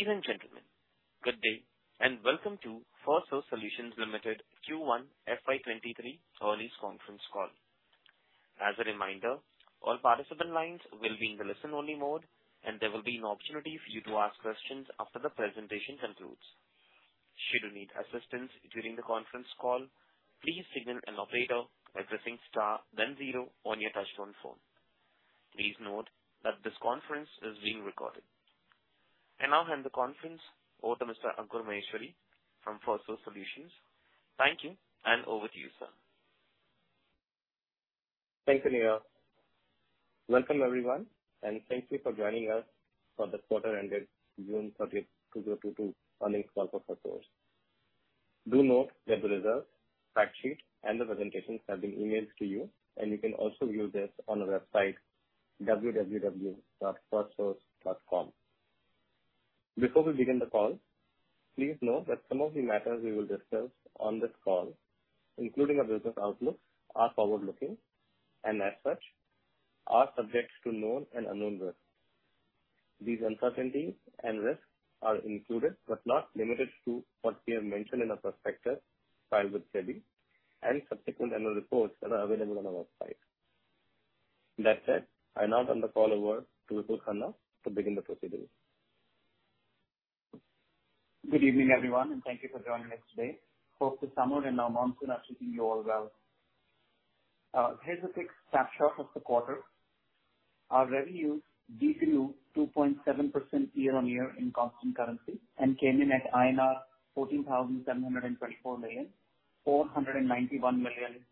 Ladies and gentlemen, Good day and welcome to Firstsource Solutions Limited Q1 FY23 earnings conference call. As a reminder, all participant lines will be in the listen-only mode, and there will be an opportunity for you to ask questions after the presentation concludes. Should you need assistance during the conference call, please signal an operator by pressing star then zero on your touchtone phone. Please note that this conference is being recorded. I now hand the conference over to Mr. Ankur Maheshwari from Firstsource Solutions. Thank you, and over to you, sir. Thank you, Neil. Welcome everyone, and thank you for joining us for the quarter ended June 30, 2022 earnings call for Firstsource. Do note that the results, fact sheet and the presentations have been emailed to you, and you can also view this on our website www.firstsource.com. Before we begin the call, please know that some of the matters we will discuss on this call, including our business outlook, are forward-looking and as such are subject to known and unknown risks. These uncertainties and risks are included but not limited to what we have mentioned in our prospectus filed with SEBI and subsequent annual reports that are available on our website. That said, I now turn the call over to Vipul Khanna to begin the proceedings. Good evening, Everyone and thank you for joining us today. Hope the summer and our monsoon are treating you all well. Here's a quick snapshot of the quarter. Our revenues 2.7% year-on-year in constant currency and came in at INR 14,724 million, $491 million,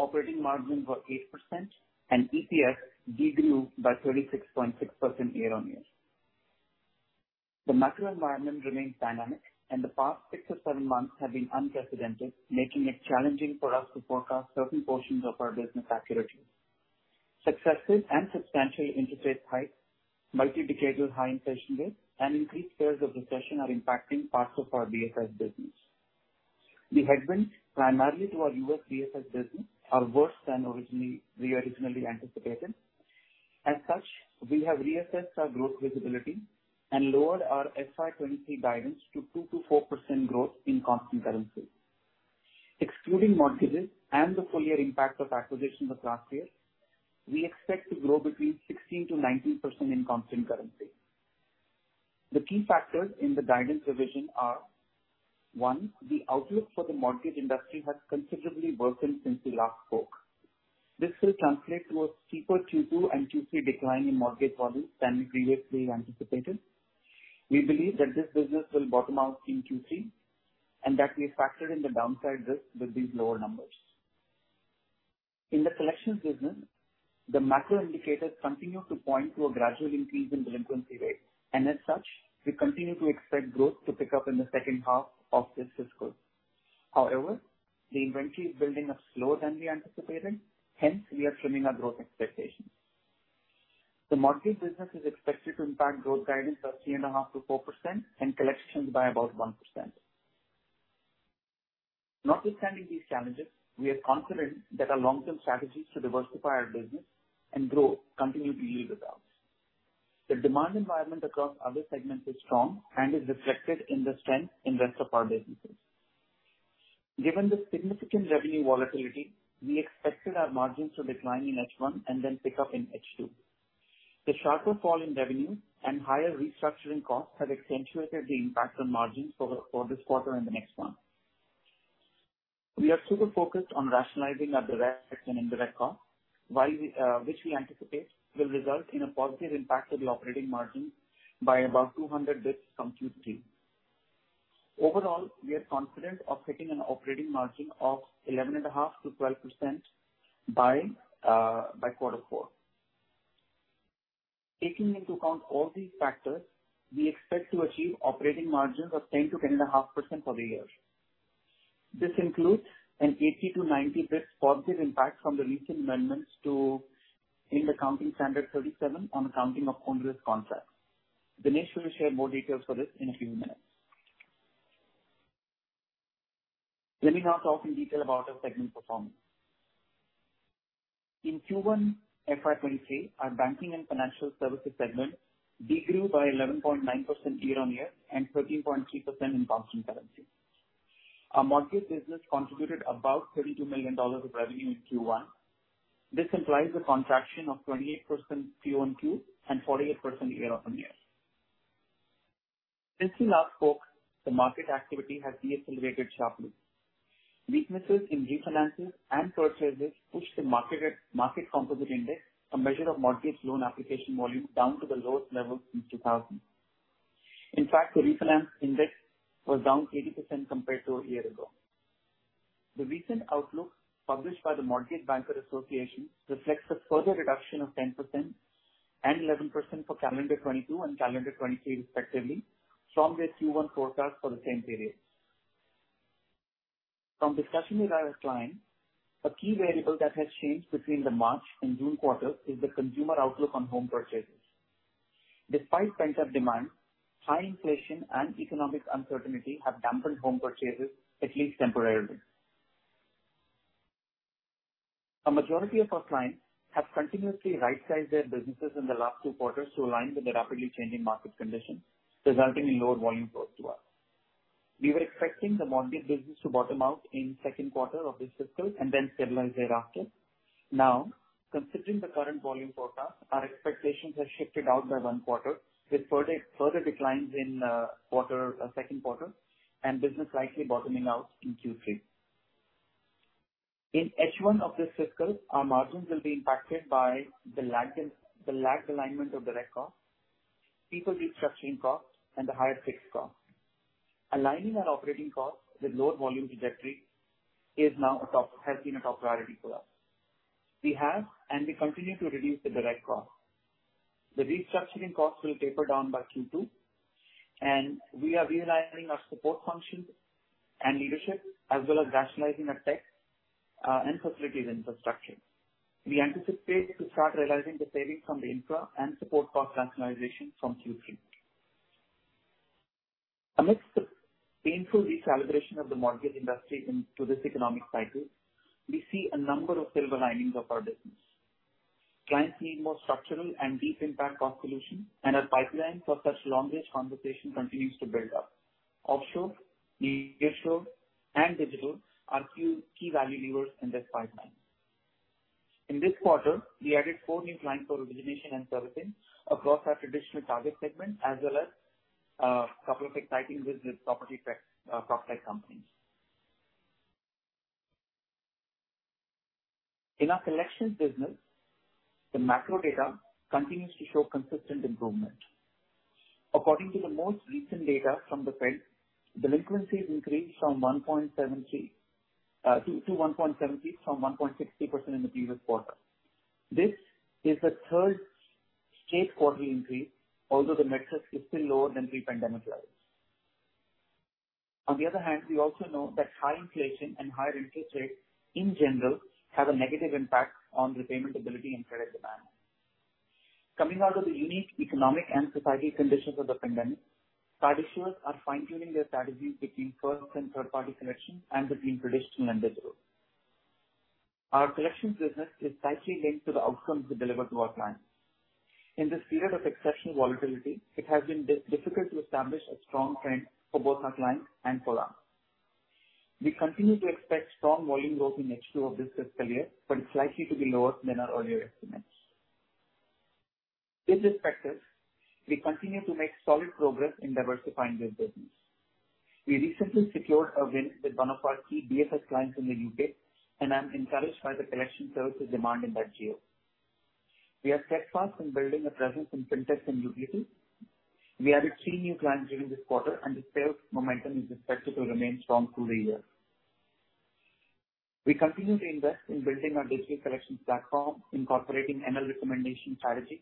Operating margins were 8% and EPS Decreased by 36.6% year-on-year. The macro environment remains dynamic and the past six or seven months have been unprecedented, making it challenging for us to forecast certain portions of our business accurately. Successive significant interest rate increases, multi-decadal high inflation rates and increased fears of recession are impacting parts of our BSS business. The headwinds, primarily to our U.S. BSS business, are worse than we originally anticipated. As such, we have reassessed our growth visibility and lowered our FY 2023 guidance to 2%-4% growth in constant currency. Excluding mortgages and the full year impact of acquisitions of last year, we expect to grow between 16%-19% in constant currency. The key factors in the guidance revision are as follow one outlook for the mortgage industry has considerably worsened since we last spoke. This will translate to a steeper Q2 and Q3 decline in mortgage volumes than we previously anticipated. We believe that this business will bottom out in Q3 and that we have factored in the downside risk with these lower numbers. In the collections business, the macro indicators continue to point to a gradual increase in delinquency rates as such, we continue to expect growth to pick up in the second half of this fiscal. However, the inventory is building up slower than we anticipated, hence we are trimming our growth expectations. The mortgage business is expected to impact growth guidance by 3.5%-4% and collections by about 1%. Notwithstanding these challenges, we are confident that our long-term strategies to diversify our business and grow continue to yield results. The demand environment across other segments is strong and is reflected in the strength in rest of our businesses. Given the significant revenue volatility, we expected our margins to decline in H1 and then pick up in H2. The sharper fall in revenue and higher restructuring costs have accentuated the impact on margins for this quarter and the next one. We are super focused on rationalizing our direct and indirect costs, which we anticipate will result in a positive impact to the operating margin by about 200 basis points from Q3. Overall, we are confident of hitting an operating margin of 11.5%-12% by quarter four. Taking into account all these factors, we expect to achieve operating margins of 10%-10.5% for the year. This includes an 80-90 basis points positive impact from the recent amendments in the accounting standard Ind AS 37 on accounting of onerous contracts. Dinesh will share more details for this in a few minutes. Let me now talk in detail about our segment performance. In Q1 FY 2023, our banking and financial services segment Declined by 11.9% year-on-year and 13.3% in constant currency. Our mortgage business contributed about $32 million of revenue in Q1. This implies a contraction of 28% QOQ and 48% year-on-year. Since we last spoke, the market activity has decelerated sharply. Weaknesses in refinances and purchases pushed the Market Composite Index, a measure of mortgage loan application volume, down to the lowest levels since 2000. In fact, the Refinance Index was down 80% compared to a year ago. The recent outlook published by the Mortgage Bankers Association reflects a further reduction of 10% and 11% for calendar 2022 and calendar 2023 respectively from their Q1 forecast for the same period. From discussions with our clients, a key variable that has changed between the March and June quarters is the consumer outlook on home purchases. Despite pent-up demand, high inflation and economic uncertainty have dampened home purchases at least temporarily. A majority of our clients have continuously right-sized their businesses in the last two quarters to align with the rapidly changing market conditions, resulting in lower volume growth to us. We were expecting the mortgage business to bottom out in second quarter of this fiscal and then stabilize thereafter. Now, considering the current volume forecast, our expectations have shifted out by one quarter, with further declines in second quarter and business likely bottoming out in Q3. In H1 of this fiscal, our margins will be impacted by the lag and the lag alignment of direct costs, people restructuring costs, and the higher fixed costs. Aligning our operating costs with lower volume trajectory has been a top priority for us. And we continue to reduce the direct costs. The restructuring costs will taper down by Q2, and we are realigning our support functions and leadership, as well as rationalizing our tech, and facilities infrastructure. We anticipate to start realizing the savings from the infra and support cost rationalization from Q3. Amidst the painful recalibration of the mortgage industry into this economic cycle, we see a number of silver linings of our business. Clients need more structural and deep impact cost solutions, and our pipeline for such long-range conversation continues to build up. Offshore, nearshore, and digital are few key value levers in this pipeline. In this quarter, we added four new clients for origination and servicing across our traditional target segment, As couple of exciting wins with property tech, proptech companies. In our collections business, the macro data continues to show consistent improvement. According to the most recent data from the Fed, delinquencies increased to 1.70% from 1.60% in the previous quarter. This is the third straight quarterly increase, although the metrics is still lower than pre-pandemic levels. On the other hand, we also know that high inflation and higher interest rates in general have a negative impact on repayment ability and credit demand. Coming out of the unique economic and social conditions of the pandemic, card issuers are fine-tuning their strategies between first- and third-party collection and between traditional and digital. Our collections business is tightly linked to the outcomes we deliver to our clients. In this period of exceptional volatility, it has been difficult to establish a strong trend for both our clients and for us. We continue to expect strong volume growth in H2 of this fiscal year, but it's likely to be lower than our earlier estimates. With this practice, we continue to make solid progress in diversifying this business. We recently secured a win with one of our key BFS clients in the UK, and I'm encouraged by the collection services demand in that geo. We are steadfast in building a presence in FinTech and utilities. We added three new clients during this quarter and the sales momentum is expected to remain strong through the year. We continue to invest in building our digital collections platform, incorporating ML recommendation strategy,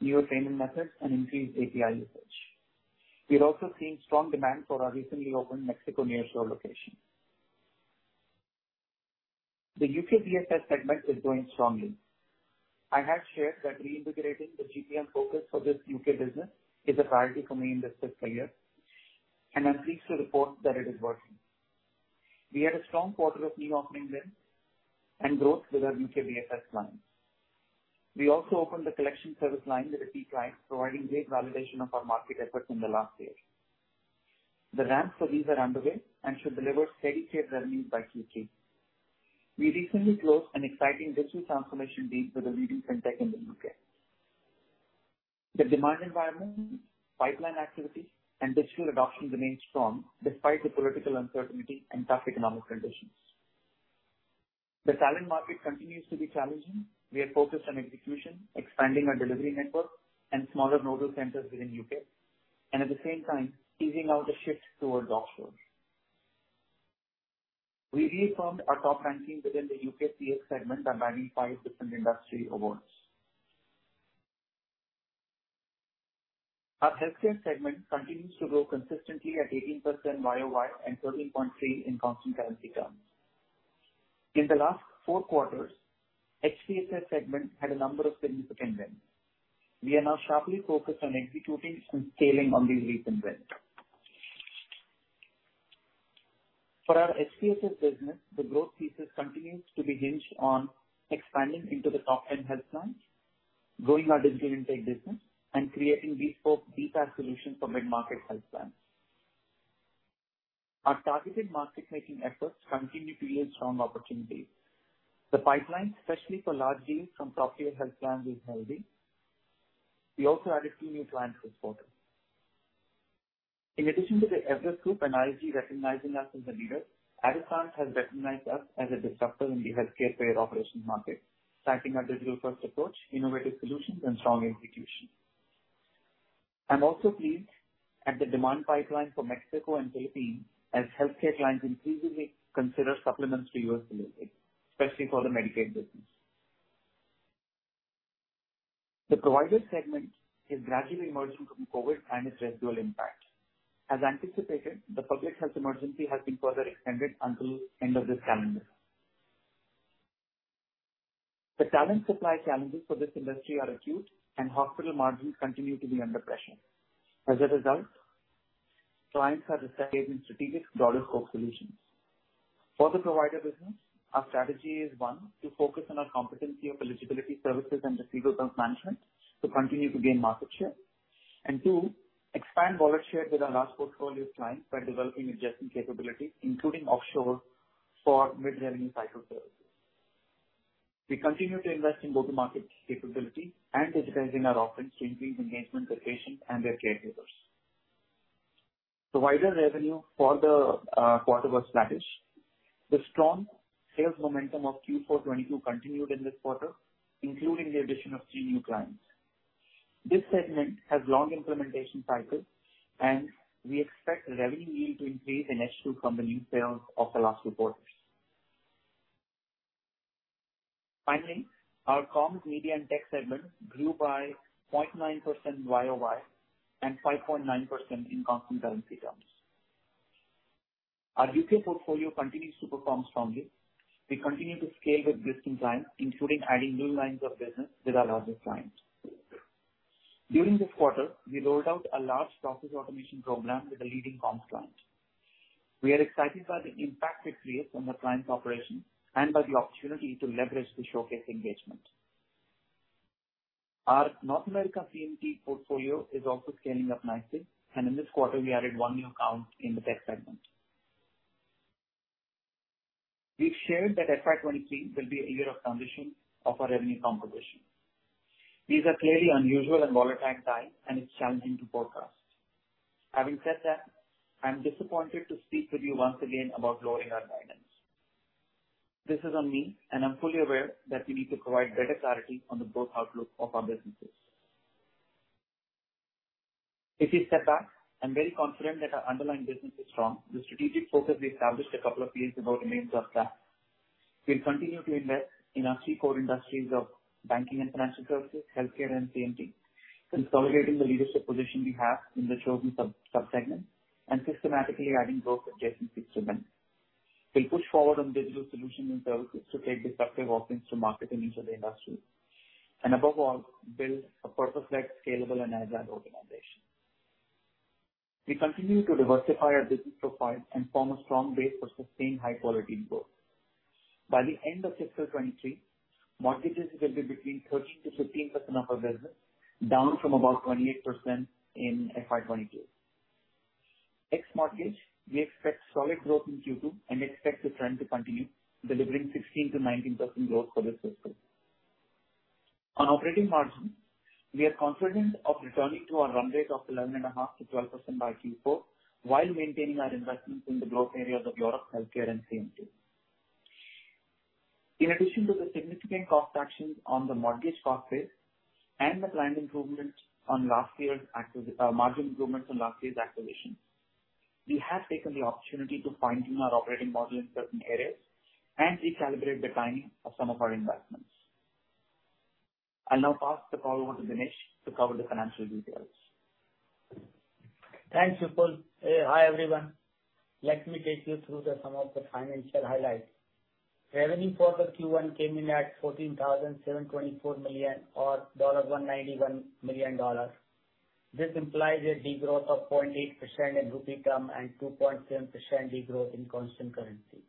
newer training methods, and increased API usage. We are also seeing strong demand for our recently opened Mexico nearshore location. The UK BFS segment is growing strongly. I have shared that reintegrating the GPM focus for this UK business is a priority for me in this fiscal year, and I'm pleased to report that it is working. We had a strong quarter of new openings and growth with our UK BFS clients. We also opened a collection service line with a key client, providing great validation of our market efforts in the last year. The ramps for these are underway and should deliver steady state revenues by Q3. We recently closed an exciting digital transformation deal with a leading FinTech in the UK. The demand environment, pipeline activity, and digital adoption remains strong despite the political uncertainty and tough economic conditions. The talent market continues to be challenging. We are focused on execution, expanding our delivery network and smaller nodal centers within UK, and at the same time easing out the shift towards offshore. We reaffirmed our top ranking within the UK CX segment by winning 5 different industry awards. Our healthcare segment continues to grow consistently at 18% Y-o-Y and 13.3 in constant currency terms. In the last 4 quarters, HCS segment had a number of significant wins. We are now sharply focused on executing and scaling on these recent wins. For our HCS business, the growth thesis continues to be hinged on expanding into the top end health plans, growing our digital intake business, and creating bespoke DPAS solutions for mid-market health plans. Our targeted market making efforts continue to yield strong opportunities. The pipeline, especially for large deals from top tier health plans, is healthy. We also added 2 new clients this quarter. In addition to the Everest Group and ISG recognizing us as a leader, Addison has recognized us as a disruptor in the healthcare payer operations market, citing our digital-first approach, innovative solutions, and strong execution. I'm also pleased at the demand pipeline for Mexico and Philippines as healthcare clients increasingly consider supplements to U.S. delivery, especially for the Medicaid business. The provider segment is gradually emerging from COVID and its residual impact. As anticipated, the public health emergency has been further extended until end of this calendar. The talent supply challenges for this industry are acute and hospital margins continue to be under pressure. As a result, clients have decided on strategic dollar scope solutions. For the provider business, our strategy is, one, to focus on our competency of eligibility services and receivable management to continue to gain market share. Two, expand wallet share with our large portfolio of clients by developing adjacent capabilities, including offshore for mid-learning cycle services. We continue to invest in both the market capability and digitizing our offerings to increase engagement with patients and their caregivers. The HCS revenue for the quarter was flattish. The strong sales momentum of Q4 2022 continued in this quarter, including the addition of three new clients. This segment has long implementation cycles, and we expect revenue yield to increase in H2 from the new sales of the last two quarters. Finally, our comms, media and tech segment grew by 0.9% YOY and 5.9% in constant currency terms. Our UK portfolio continues to perform strongly. We continue to scale with existing clients, including adding new lines of business with our largest clients. During this quarter, we rolled out a large process automation program with a leading comms client. We are excited by the impact it creates on the client's operation and by the opportunity to leverage the showcase engagement. Our North America CMT portfolio is also scaling up nicely, and in this quarter, we added one new account in the tech segment. We've shared that FY 2023 will be a year of transition of our revenue composition. These are clearly unusual and volatile times, and it's challenging to forecast. Having said that, I'm disappointed to speak with you once again about lowering our guidance. This is on me, and I'm fully aware that we need to provide better clarity on the growth outlook of our businesses. If you step back, I'm very confident that our underlying business is strong. The strategic focus we established a couple of years ago remains on track. We'll continue to invest in our three core industries of banking and financial services, healthcare and CMT, consolidating the leadership position we have in the chosen sub-segments, and systematically adding growth adjacent segments. We'll push forward on digital solution services to take disruptive offerings to market in each of the industries, and above all, build a purpose-led, scalable and agile organization. We continue to diversify our business profile and form a strong base for sustained high quality growth. By the end of fiscal 2023, mortgages will be between 13%-15% of our business, down from about 28% in FY 2022. Ex mortgage, we expect solid growth in Q2 and expect the trend to continue, delivering 16%-19% growth for this fiscal. On operating margin, we are confident of returning to our run rate of 11.5%-12% by Q4, while maintaining our investments in the growth areas of Europe, healthcare and CMT. In addition to the significant cost actions on the mortgage cost base and the client improvements on last year's margin improvements on last year's activation, we have taken the opportunity to fine-tune our operating model in certain areas and recalibrate the timing of some of our investments. I'll now pass the call over to Dinesh to cover the financial details. Thanks, Vipul. Hi, everyone. Let me take you through some of the financial highlights. Revenue for the Q1 came in at 14,724 million or $191 million. This implies a degrowth of 0.8% in rupee terms and 2.7% degrowth in constant currency.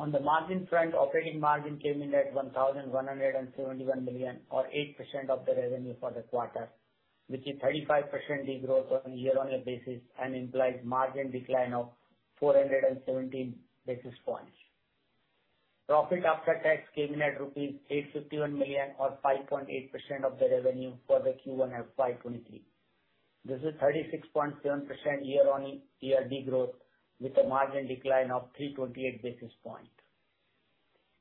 On the margin front, operating margin came in at 1,171 million or 8% of the revenue for the quarter, which is 35% degrowth on a year-on-year basis and implies margin decline of 417 basis points. Profit after tax came in at rupees 851 million or 5.8% of the revenue for the Q1 FY 2023. This is 36.7% year-on-year degrowth with a margin decline of 328 basis points.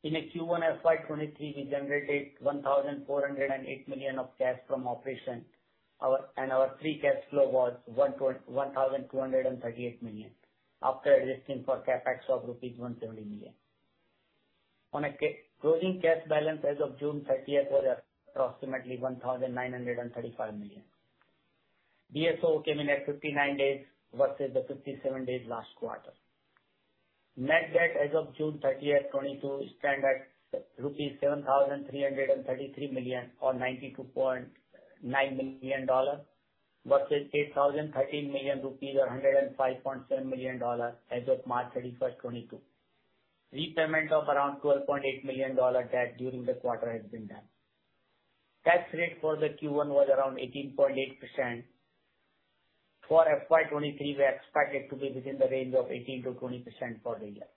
In Q1 FY 2023, we generated 1,408 million of cash from operations. Our free cash flow was 1,238 million after adjusting for CapEx of rupees 170 million. Closing cash balance as of June 30, 2022 was approximately 1,935 million. DSO came in at 59 days versus the 57 days last quarter. Net debt as of June 30, 2022 stand at rupees 7,333 million or $92.9 million versus 8,013 million rupees or $105.7 million as of March 31, 2022. Repayment of around $12.8 million dollar debt during the quarter has been done. Tax rate for the Q1 was around 18.8%. For FY 2023, we are expected to be within the range of 18%-20% for the year.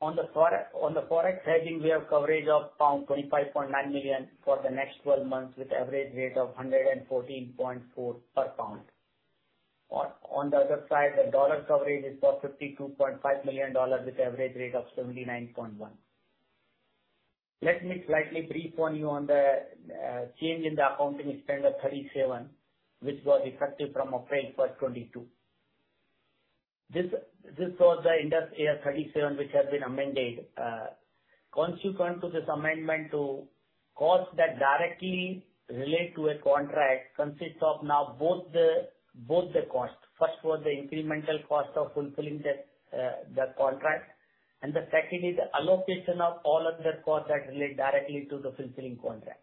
On the Forex hedging, we have coverage of pound 25.9 million for the next twelve months with average rate of 114.4 per pound. On the other side, the dollar coverage is for $52.5 million with average rate of 79.1. Let me slightly brief you on the change in the Ind AS 37, which was effective from April 1, 2022. This was the Ind AS 37, which has been amended. Consequent to this amendment to costs that directly relate to a contract consists of now both the costs. First was the incremental cost of fulfilling that contract. The second is the allocation of all other costs that relate directly to the fulfilling contract.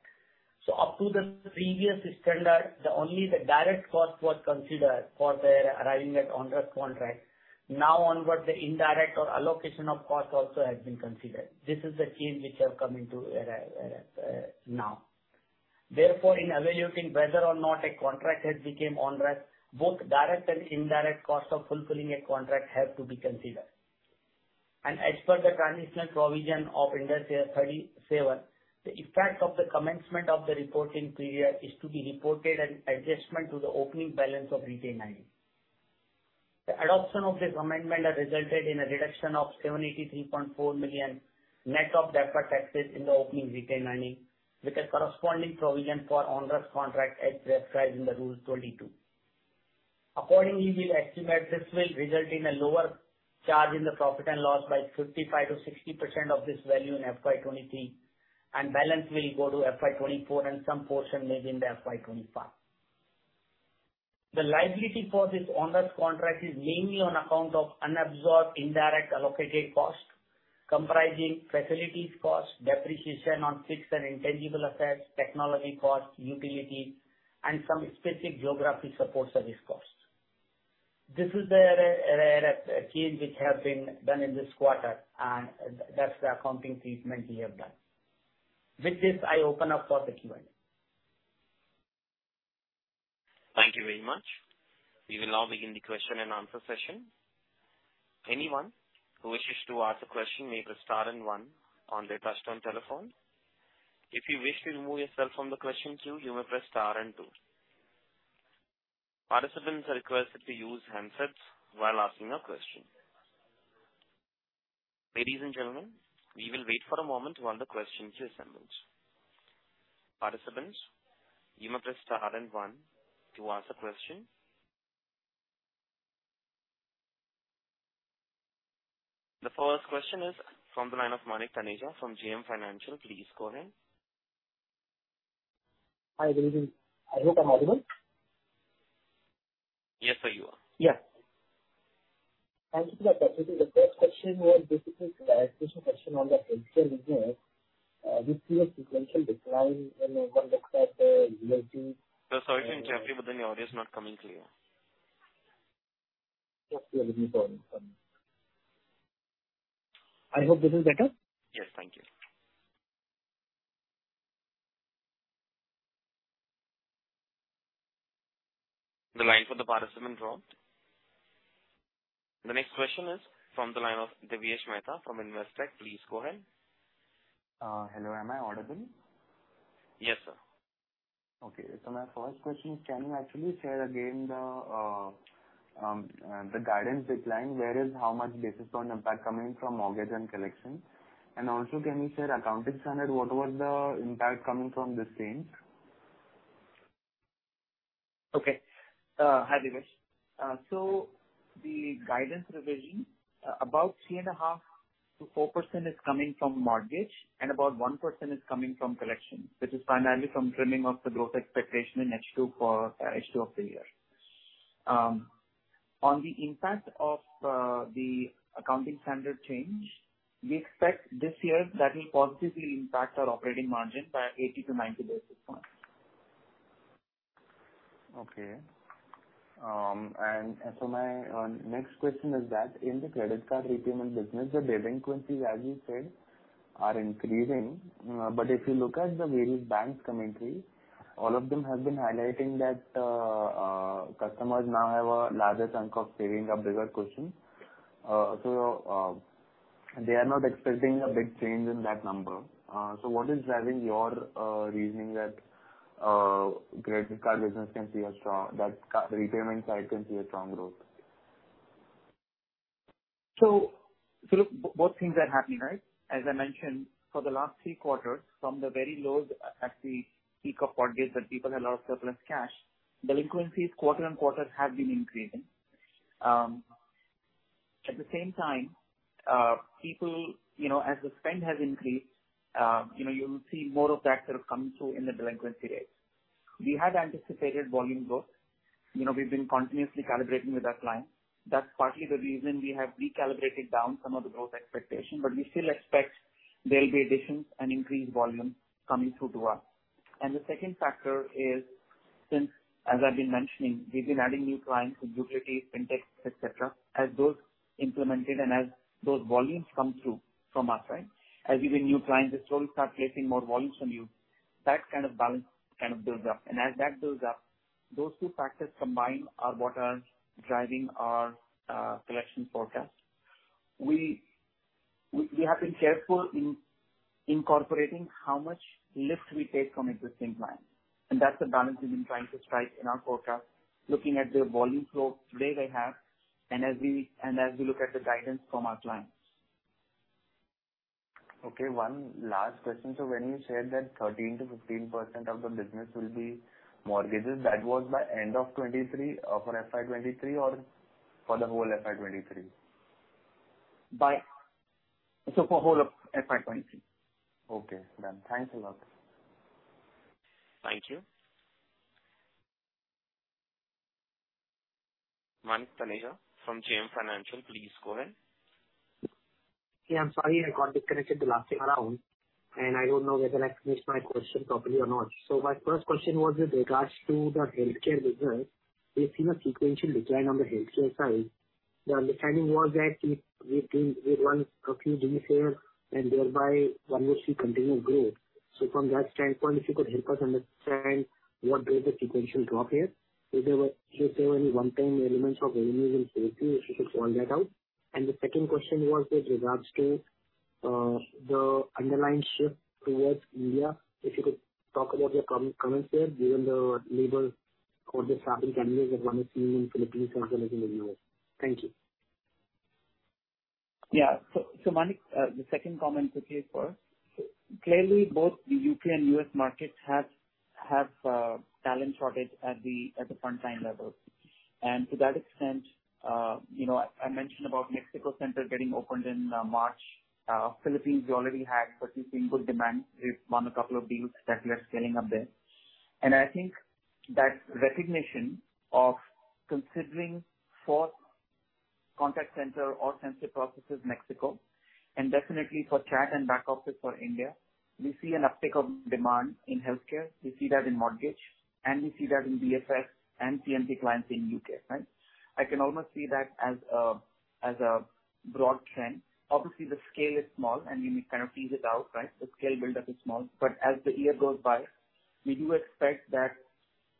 Up to the previous standard, only the direct cost was considered for the arriving at onerous contract. Now onwards, the indirect or allocation of cost also has been considered. This is the change which have come into now. Therefore, in evaluating whether or not a contract has became onerous, both direct and indirect costs of fulfilling a contract have to be considered. As per the transitional provision of Ind AS 37, the effect of the commencement of the reporting period is to be reported an adjustment to the opening balance of retained earnings. The adoption of this amendment has resulted in a reduction of 73.4 million net of deferred taxes in the opening retained earnings, with a corresponding provision for onerous contract as prescribed in the Rule 22. Accordingly, we'll estimate this will result in a lower charge in the profit and loss by 55%-60% of this value in FY 2023 and balance will go to FY 2024 and some portion may be in the FY 2025. The liability for this onerous contract is mainly on account of unabsorbed indirect allocated costs, comprising facilities costs, depreciation on fixed and intangible assets, technology costs, utilities, and some specific geography support service costs. This is the change which have been done in this quarter, and that's the accounting treatment we have done. With this, I open up for the Q&A. Thank you very much. We will now begin the question-and-answer session. Anyone who wishes to ask a question may press star and one on their touchtone telephone. If you wish to remove yourself from the question queue, you may press star and two. Participants are requested to use handsets while asking a question. Ladies and gentlemen, we will wait for a moment while the questions are assembled. Participants, you may press star and one to ask a question. The first question is from the line of Manik Taneja from JM Financial. Please go ahead. Hi, good evening. I hope I'm audible. Yes, sir, you are. Thank you for that. The first question was basically a clarification question on the HCLS business. We see a sequential decline in over the past relating. Sir, sorry to interrupt you, but then your audio is not coming clear. Yes. Let me call him. Sorry. I hope this is better. Yes. Thank you. The line for the participant dropped. The next question is from the line of Diveyesh Mehta from Investec. Please go ahead. Hello, am I audible? Yes, sir. My first question is, can you actually share again the guidance decline, what is the basis point impact coming from mortgage and collections? And also, can you share accounting standard, what was the impact coming from this change? Okay. Hi, Diveyesh. The guidance revision, about 3.5%-4% is coming from mortgage and about 1% is coming from collection, which is primarily from trimming of the growth expectation in H2 of the year. On the impact of the accounting standard change, we expect this year that will positively impact our operating margin by 80-90 basis points. Okay. My next question is that in the credit card repayment business, the delinquencies, as you said, are increasing. If you look at the various banks' commentary, all of them have been highlighting that customers now have a larger chunk of savings or bigger cushion. They are not expecting a big change in that number. What is driving your reasoning that the credit card business, the repayment side, can see a strong growth? Look, both things are happening, right? As I mentioned, for the last three quarters, from the very low at the peak of COVID, when people had a lot of surplus cash, delinquencies quarter after quarter have been increasing. At the same time, people, you know, as the spend has increased, you know, you'll see more of that sort of come through in the delinquency rates. We had anticipated volume growth. You know, we've been continuously calibrating with our clients. That's partly the reason we have recalibrated down some of the growth expectation, but we still expect there'll be additions and increased volume coming through to us. The second factor is, since, as I've been mentioning, we've been adding new clients from utilities, fintech, et cetera. As those implemented and as those volumes come through from our side, as even new clients will slowly start placing more volumes from you, that kind of balance kind of builds up. As that builds up, those two factors combined are what are driving our collection forecast. We have been careful in incorporating how much lift we take from existing clients, and that's the balance we've been trying to strike in our forecast, looking at the volume flow today they have, and as we look at the guidance from our clients. Okay, one last question. When you said that 13%-15% of the business will be mortgages, that was by end of 2023 or for FY 2023 or for the whole FY 2023? for whole of FY 23. Okay, done. Thanks a lot. Thank you. Manik Taneja from JM Financial, please go ahead. I'm sorry I got disconnected the last time around, and I don't know whether I asked my question properly or not. My first question was with regards to the healthcare business. We've seen a sequential decline on the healthcare side. The understanding was that we won a few deals there, and thereby one would see continued growth. From that standpoint, if you could help us understand what drove the sequential drop here. If there were any one-time elements of revenues in Q2, if you could call that out. The second question was with regards to the underlying shift towards India. If you could talk a bit of your comments there, given the labor cost disadvantage that one is seeing in Philippines as well as in the US. Thank you. Manik, the second comment quickly first. Clearly, both the U.K. and U.S. markets have talent shortage at the front line level. To that extent, you know, I mentioned about Mexico center getting opened in March. Philippines we already had, but we've seen good demand. We've won a couple of deals that we are scaling up there. I think that recognition of considering offshore contact center and center processes in Mexico, and definitely for chat and back office for India, we see an uptick of demand in healthcare, we see that in mortgage, and we see that in BFS and BPM clients in U.K., right? I can almost see that as a broad trend. Obviously the scale is small and you need to kind of tease it out, right? The scale build-up is small. As the year goes by, we do expect that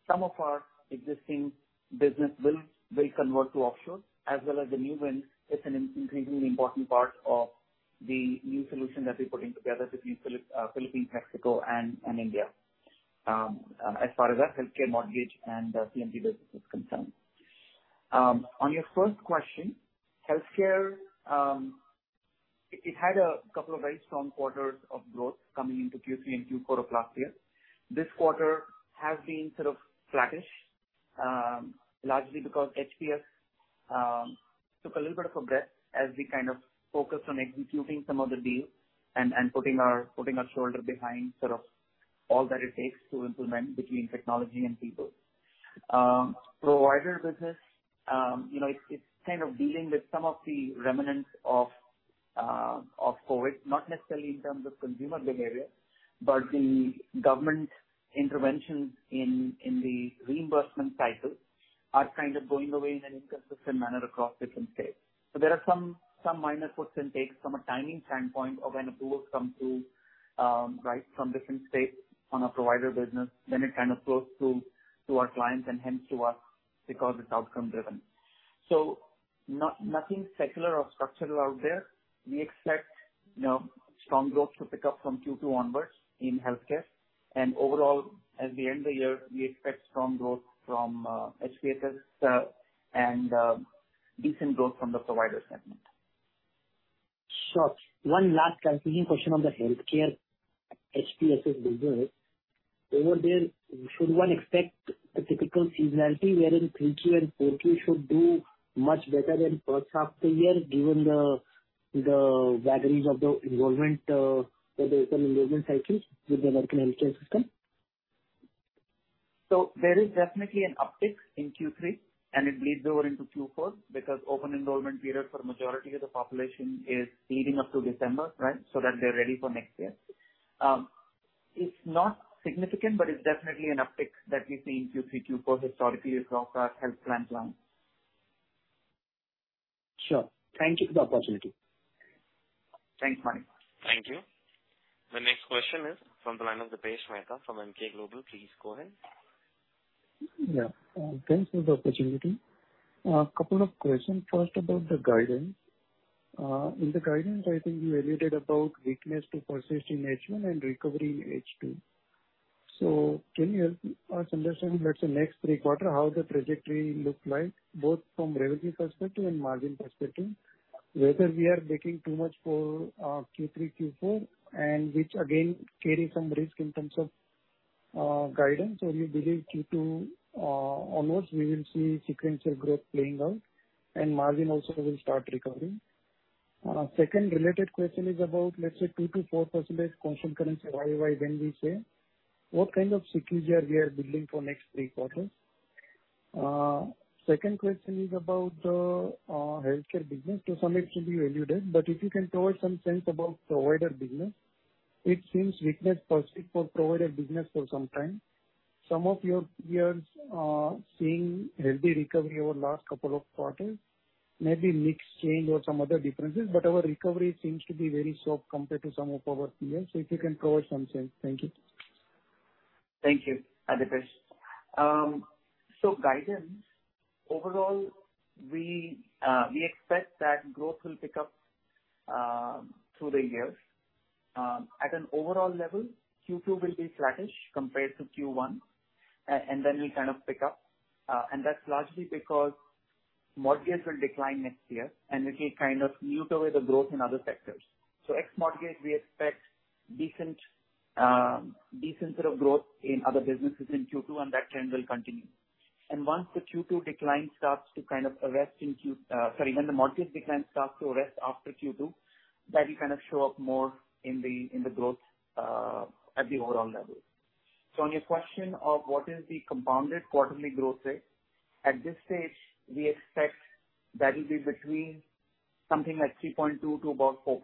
some of our existing business will convert to offshore as well as the new wins. It's an increasingly important part of the new solution that we're putting together between Philippines, Mexico and India. As far as our healthcare mortgage and BPM business is concerned. On your first question, healthcare, it had a couple of very strong quarters of growth coming into Q3 and Q4 of last year. This quarter has been sort of flattish, largely because HPS took a little bit of a breath as we kind of focused on executing some of the deals and putting our shoulder behind sort of all that it takes to implement between technology and people. Provider business, you know, it's kind of dealing with some of the remnants of COVID, not necessarily in terms of consumer behavior, but the government intervention in the reimbursement cycles are kind of going away in an inconsistent manner across different states. There are some minor puts and takes from a timing standpoint of when approvals come through, right? From different states on a provider business, then it kind of flows through to our clients and hence to us because it's outcome driven. Nothing secular or structural out there. We expect, you know, strong growth to pick up from Q2 onwards in healthcare. Overall, at the end of the year, we expect strong growth from HPS and decent growth from the provider segment. Sure. One last clarification question on the healthcare HCS's business. Over there, should one expect a typical seasonality wherein 3Q and 4Q should do much better than first half of the year, given the vagaries of the enrollment, the basic enrollment cycles with the American healthcare system? There is definitely an uptick in Q3 and it bleeds over into Q4 because open enrollment period for majority of the population is leading up to December, right? That they're ready for next year. It's not significant, but it's definitely an uptick that we see in Q3, Q4 historically across our health plan line. Sure. Thank you for the opportunity. Thanks, Manik. Thank you. The next question is from the line of Dipesh Mehta from Emkay Global. Please go ahead. Thanks for the opportunity. A couple of questions. First, about the guidance. In the guidance, I think you alluded to weakness to persist in H1 and recovery in H2. Can you help us understand, let's say, next three quarters, how the trajectory look like, both from revenue perspective and margin perspective? Whether we are baking in too much for Q3, Q4, and which again carry some risk in terms of guidance. Or you believe Q2 onwards we will see sequential growth playing out and margin also will start recovering. Second related question is about, let's say, 2%-4% is constant currency year-over-year when we say. What kind of cushions are we building for next three quarters? Second question is about healthcare business. To some extent you alluded, but if you can throw some light on provider business. It seems weakness persist for provider business for some time. Some of your peers seeing healthy recovery over last couple of quarters, maybe mix change or some other differences, but our recovery seems to be very slow compared to some of our peers. If you can throw some light. Thank you. Thank you, Dipesh. Guidance. Overall, we expect that growth will pick up through the years. At an overall level, Q2 will be flattish compared to Q1. We kind of pick up. That's largely because mortgage will decline next year, and which will kind of eat away the growth in other sectors. Ex-mortgage, we expect decent sort of growth in other businesses in Q2, and that trend will continue. Once the Q2 decline starts to kind of arrest in Q Sorry, when the mortgage decline starts to arrest after Q2, that will kind of show up more in the growth at the overall level. On your question of what is the compounded quarterly growth rate, at this stage, we expect that'll be between something like 3.2% to about 4%,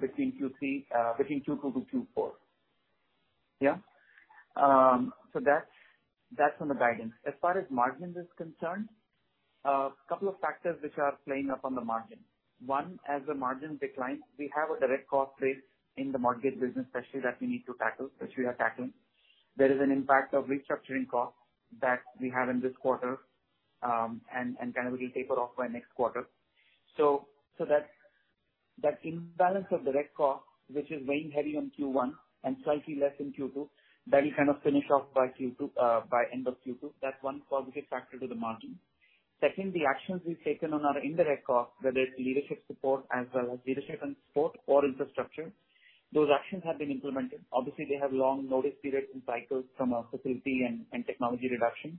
between Q2 to Q4. That's on the guidance. As far as margin is concerned, couple of factors which are playing up on the margin. One, as the margin declines, we have a direct cost base in the mortgage business especially that we need to tackle, which we are tackling. There is an impact of restructuring costs that we have in this quarter, and kind of will taper off by next quarter. That imbalance of direct cost, which is weighing heavily on Q1 and slightly less in Q2, that'll kind of finish off by end of Q2. That's one positive factor to the margin. Second, the actions we've taken on our indirect costs, whether it's leadership support as well as leadership and support or infrastructure, those actions have been implemented. Obviously, they have long notice periods and cycles from a facility and technology reduction.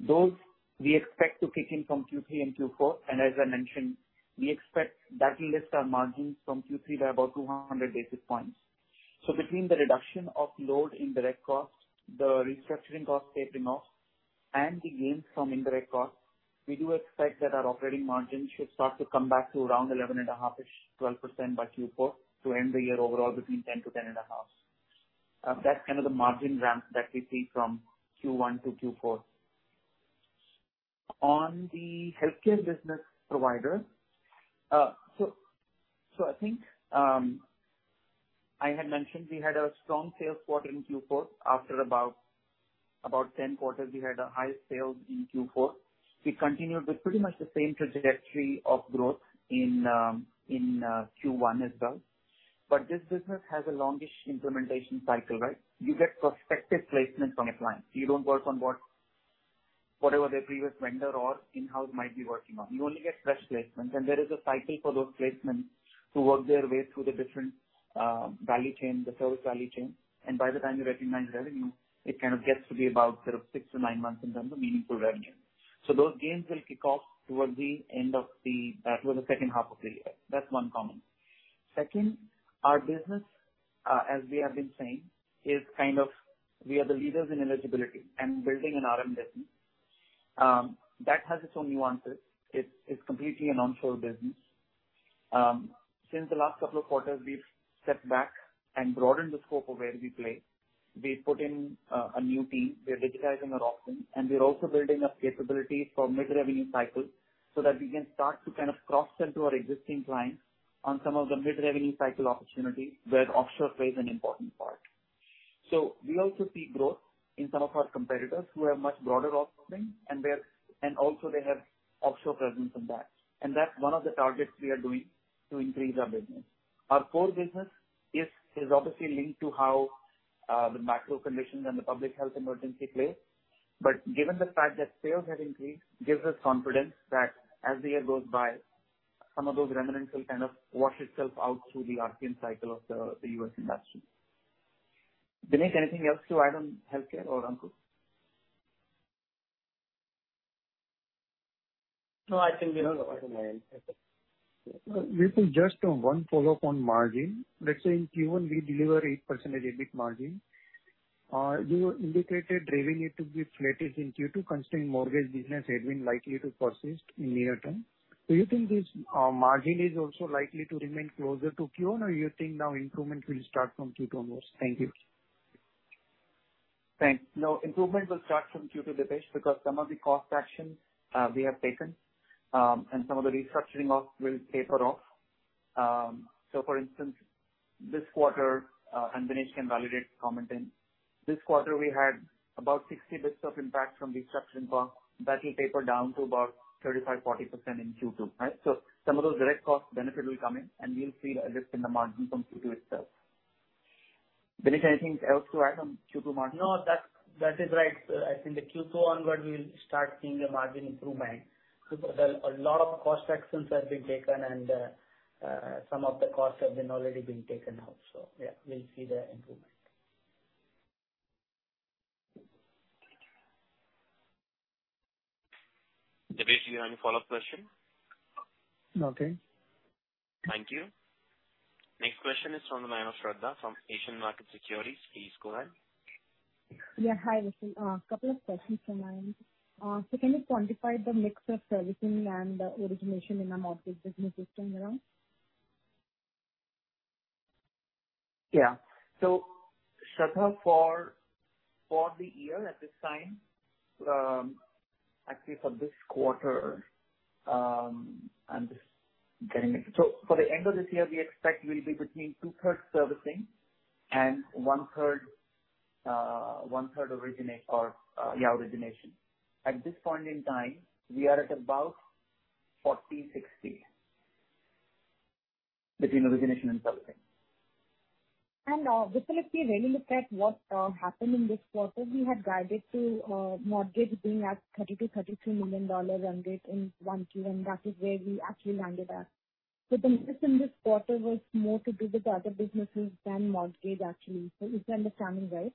Those we expect to kick in from Q3 and Q4, and as I mentioned, we expect that'll lift our margins from Q3 by about 200 basis points. Between the reduction of low indirect costs, the restructuring costs tapering off and the gains from indirect costs, we do expect that our operating margin should start to come back to around 11.5-ish, 12% by Q4 to end the year overall between 10%-10.5%. That's kind of the margin ramp that we see from Q1 to Q4. On the healthcare business provider. I think I had mentioned we had a strong sales quarter in Q4. After about 10 quarters, we had our highest sales in Q4. We continued with pretty much the same trajectory of growth in Q1 as well. This business has a long-ish implementation cycle, right? You get prospective placements from a client. You don't work on whatever their previous vendor or in-house might be working on. You only get fresh placements, and there is a cycle for those placements to work their way through the different value chain, the service value chain, and by the time you recognize revenue, it kind of gets to be about sort of 6-9 months in terms of meaningful revenue. Those gains will kick off towards the end of the towards the second half of the year. That's one comment. Second, our business, as we have been saying, is kind of we are the leaders in eligibility and building an RM business, that has its own nuances. It's completely an onshore business. Since the last couple of quarters, we've stepped back and broadened the scope of where we play. We've put in a new team. We're digitizing our offering, and we're also building up capabilities for mid-revenue cycles so that we can start to kind of cross-sell to our existing clients on some of the mid-revenue cycle opportunities where offshore plays an important part. We also see growth in some of our competitors who have much broader offerings and also they have offshore presence in that. That's one of the targets we are doing to increase our business. Our core business is obviously linked to how the macro conditions and the public health emergency play. Given the fact that sales have increased gives us confidence that as the year goes by, some of those remnants will kind of wash itself out through the RCM cycle of the US industry. Vineeth, anything else to add on healthcare or Ankur? No, I think we are good. Ritesh, just one follow-up on margin. Let's say in Q1 we deliver 8% EBITDA margin. You indicated revenue to be flattish in Q2, constrained mortgage business had been likely to persist in near term. Do you think this margin is also likely to remain closer to Q1, or you think now improvement will start from Q2 onwards? Thank you. Thanks. No, improvement will start from Q2, Dipesh, because some of the cost action we have taken, and some of the restructuring will taper off. For instance, this quarter, and Dinesh can validate, comment on, this quarter we had about 60 basis points of impact from restructuring costs. That'll taper down to about 35-40 basis points in Q2, right? Some of those direct cost benefit will come in, and we'll see a lift in the margin from Q2 itself. Dinesh, anything else to add on Q2 margin? No, that's right. I think the Q2 onward we'll start seeing a margin improvement because a lot of cost actions have been taken and some of the costs have already been taken out. we'll see the improvement. Thank you. Dipesh, do you have any follow-up question? No, thank you. Thank you. Next question is from the line of Shraddha from Asian Markets Securities. Please go ahead. Hi, Ritesh. A couple of questions from my end. Can you quantify the mix of servicing and origination in the mortgage business segment around? Shraddha, for the year at this time, actually for this quarter, I'm just getting it. For the end of this year, we expect we'll be between two-thirds servicing and one-third origination. At this point in time, we are at about 40/60 between origination and servicing. Ritesh, if we really look at what happened in this quarter, we had guided to mortgage being at $30 million-$32 million run rate in Q1, and that is where we actually landed at. The miss in this quarter was more to do with the other businesses than mortgage actually. Is my understanding right?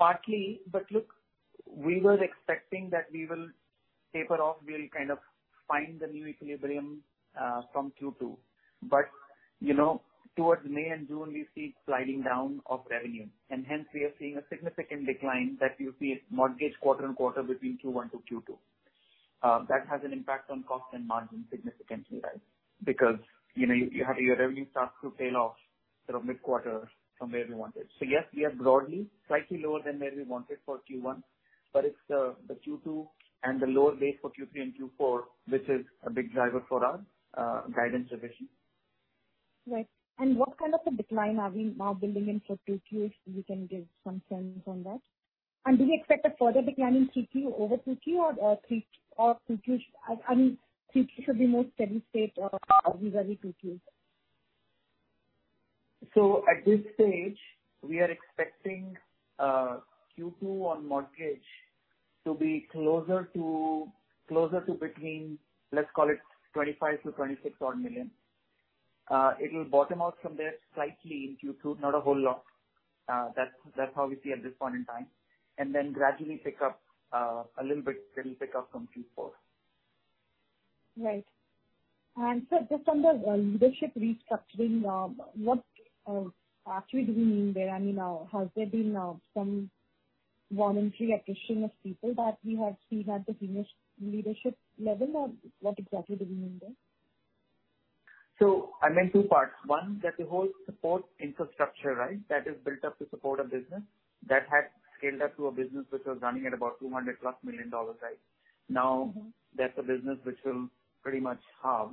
Partly. Look, we were expecting that we will taper off. We'll kind of find the new equilibrium from Q2. You know, towards May and June we see sliding down of revenue, and hence we are seeing a significant decline that you see mortgage quarter-on-quarter between Q1 to Q2. That has an impact on cost and margin significantly, right? Because, you know, you have your revenue starts to tail off sort of mid-quarter from where we wanted. Yes, we are broadly slightly lower than where we wanted for Q1, but it's the Q2 and the lower base for Q3 and Q4, which is a big driver for our guidance revision. Right. What kind of a decline are we now building in for 2Q, if you can give some sense on that? Do we expect a further decline in 3Q over 2Q or, 3Q or 2Q I mean, 3Q should be more steady state or are we very Q2? At this stage, we are expecting Q2 on mortgage to be closer to between, let's call it $25-26 odd million. It'll bottom out from there slightly in Q2, not a whole lot. That's how we see at this point in time, and then gradually pick up a little bit, it'll pick up from Q4. Right. Sir, just on the leadership restructuring, what actually do we mean there? I mean, has there been some voluntary attrition of people that we have seen at the senior leadership level, or what exactly do we mean there? I meant two parts. One, that the whole support infrastructure, right, that is built up to support a business that had scaled up to a business which was running at about $200+ million, right? Now that's a business which will pretty much halve.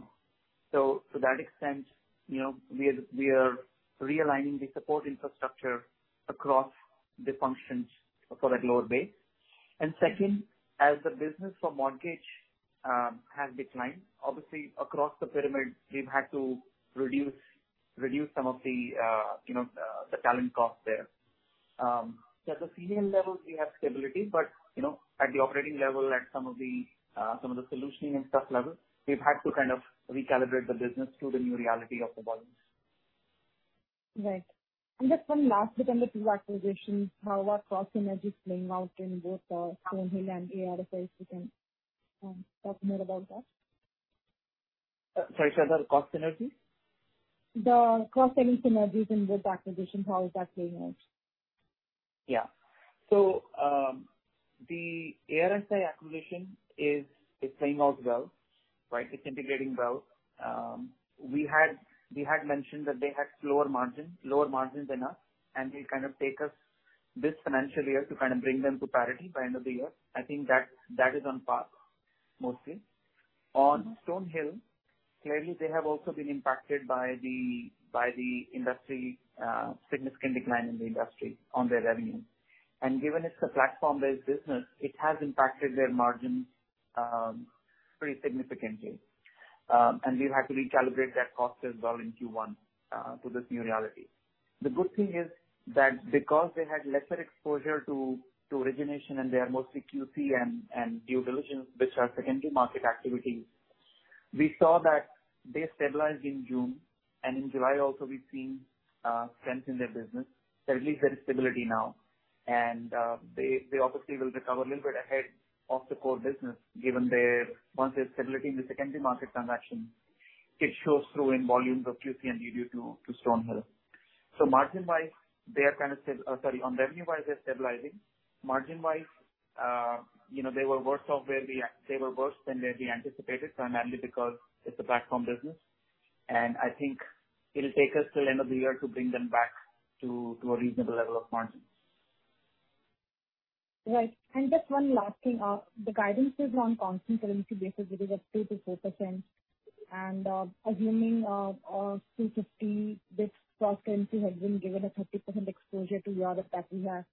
To that extent, you know, we are realigning the support infrastructure across the functions for that lower base. Second, as the business for mortgage has declined, obviously across the pyramid, we've had to reduce some of the, you know, the talent cost there. At the senior level we have stability, but you know, at the operating level, at some of the solutioning and stuff level, we've had to kind of recalibrate the business to the new reality of the volumes. Right. Just one last bit on the two acquisitions, how are cost synergies playing out in both StoneHill and ARSI, if you can talk more about that? Sorry, to say that, cost synergies? The cost-saving synergies in both acquisitions, how is that playing out? The ARSI acquisition is playing out well, right? It's integrating well. We had mentioned that they had lower margins than us, and it kind of take us this financial year to kind of bring them to parity by end of the year. I think that is on par mostly. On StoneHill, clearly they have also been impacted by the significant decline in the industry on their revenue. Given it's a platform-based business, it has impacted their margins pretty significantly. We've had to recalibrate their cost as well in Q1 to this new reality. The good thing is that because they had lesser exposure to origination and they are mostly QC and due diligence, which are secondary market activities, we saw that they stabilized in June and in July also we've seen strength in their business. At least there is stability now and they obviously will recover a little bit ahead of the core business given their once there's stability in the secondary market transactions, it shows through in volumes of QC and due to StoneHill. So margin-wise, they are kind of on revenue-wise, they're stabilizing. Margin-wise, you know, they were worse off they were worse than where we anticipated, primarily because it's a platform business. I think it'll take us till end of the year to bring them back to a reasonable level of margins. Right. Just one last thing. The guidance was around constant currency CC basis. It is at 2%-4%. Assuming 250 bps cost CC has been given a 30% exposure to AR that we have.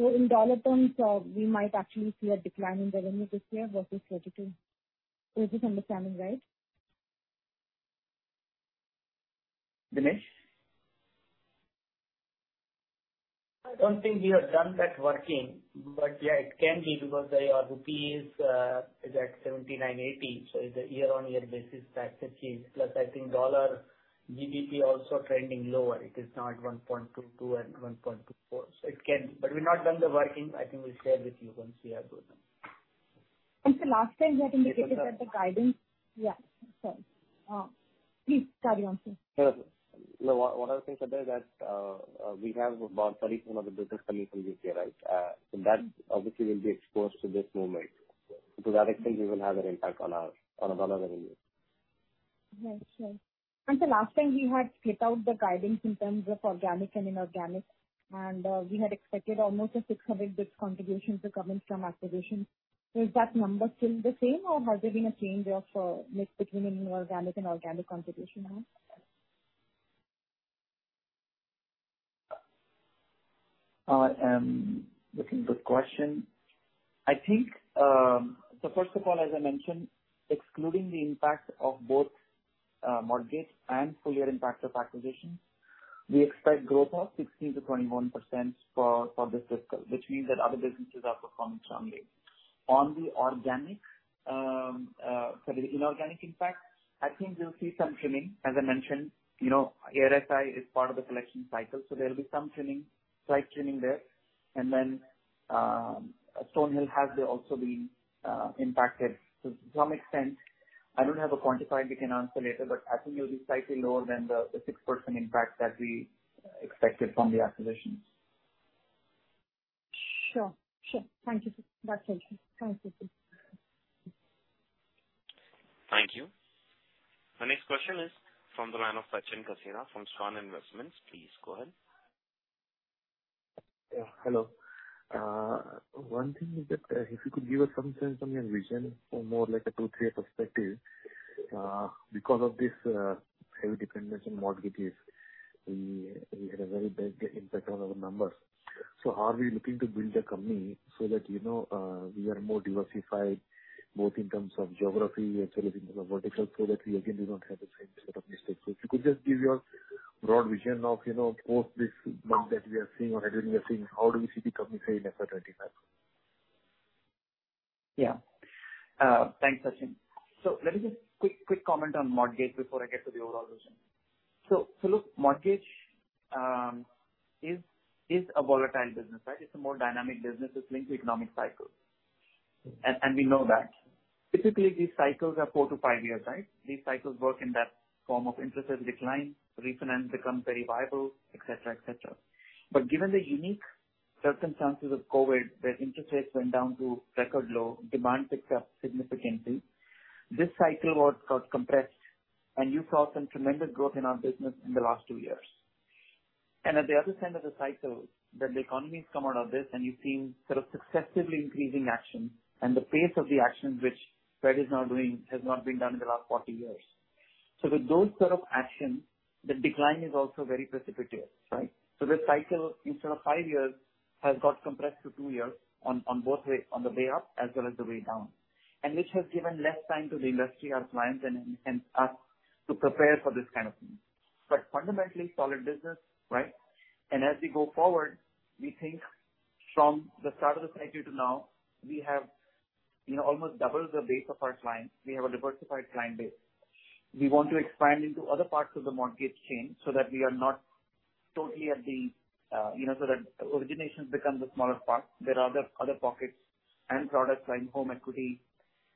In dollar terms, we might actually see a decline in revenue this year versus 2022. Is this understanding right? Dinesh? I don't think we have done that working. it can be because our rupee is at 79.80, so it's a year-on-year basis that shifts. Plus I think dollar GBP also trending lower. It is not 1.22 and 1.24. It can. We've not done the working. I think we'll share with you once we are done. Last time we had indicated that the guidance. Sorry. Please carry on, sir. No. One other thing, Sadhana, that we have about 30% of the business coming from UK, right? That obviously will be exposed to this movement. To that extent, we will have an impact on our revenue. Right. Sure. The last time we had spit out the guidance in terms of organic and inorganic, we had expected almost a 600 bps contribution coming from acquisitions. Is that number still the same or has there been a change of mix between inorganic and organic contribution now? I am looking. Good question. I think, so first of all, as I mentioned, excluding the impact of both, mortgage and full year impact of acquisitions, we expect growth of 16%-21% for this fiscal, which means that other businesses are performing strongly. On the organic, sorry, the inorganic impact, I think we'll see some trimming. As I mentioned, ARSI is part of the selection cycle, so there'll be some trimming, slight trimming there. StoneHill has also been impacted to some extent. I don't have a quantified, we can answer later, but I think it'll be slightly lower than the 6% impact that we expected from the acquisition. Sure. Thank you, sir. That's it. Thank you. Thank you. Our next question is from the line of Sachin Kasera from Schroders Investments. Please go ahead. Hello. One thing is that if you could give us some sense on your vision for more like a 2-3 year perspective, because of this heavy dependence on mortgages, we had a very big impact on our numbers. Are we looking to build a company so that, you know, we are more diversified, both in terms of geography as well as in terms of vertical, so that we again do not have the same set of mistakes? If you could just give your broad vision of, you know, post this month that we are seeing or everything we are seeing, how do we see the company in FY 2025? Thanks, Sachin. Let me just quick comment on mortgage before I get to the overall vision. Look, mortgage is a volatile business, right? It's a more dynamic business. It's linked to economic cycles..... We know that. Typically these cycles are 4-5 years, right? These cycles work in that form of interest rates decline, refinance becomes very viable, et cetera, et cetera. Given the unique circumstances of COVID, where interest rates went down to record low, demand picked up significantly. This cycle got compressed and you saw some tremendous growth in our business in the last 2 years. At the other end of the cycle, when the economies come out of this and you've seen sort of successively increasing action and the pace of the action which the Fed is now doing has not been done in the last 40 years. With those sort of actions, the decline is also very precipitous, right? This cycle instead of five years has got compressed to two years on both ways, on the way up as well as the way down. Which has given less time to the industry, our clients and us to prepare for this kind of thing. Fundamentally solid business, right? As we go forward, we think from the start of the cycle to now, we have you know almost doubled the base of our clients. We have a diversified client base. We want to expand into other parts of the mortgage chain so that we are not totally at the you know so that origination becomes the smaller part. There are other pockets and products like home equity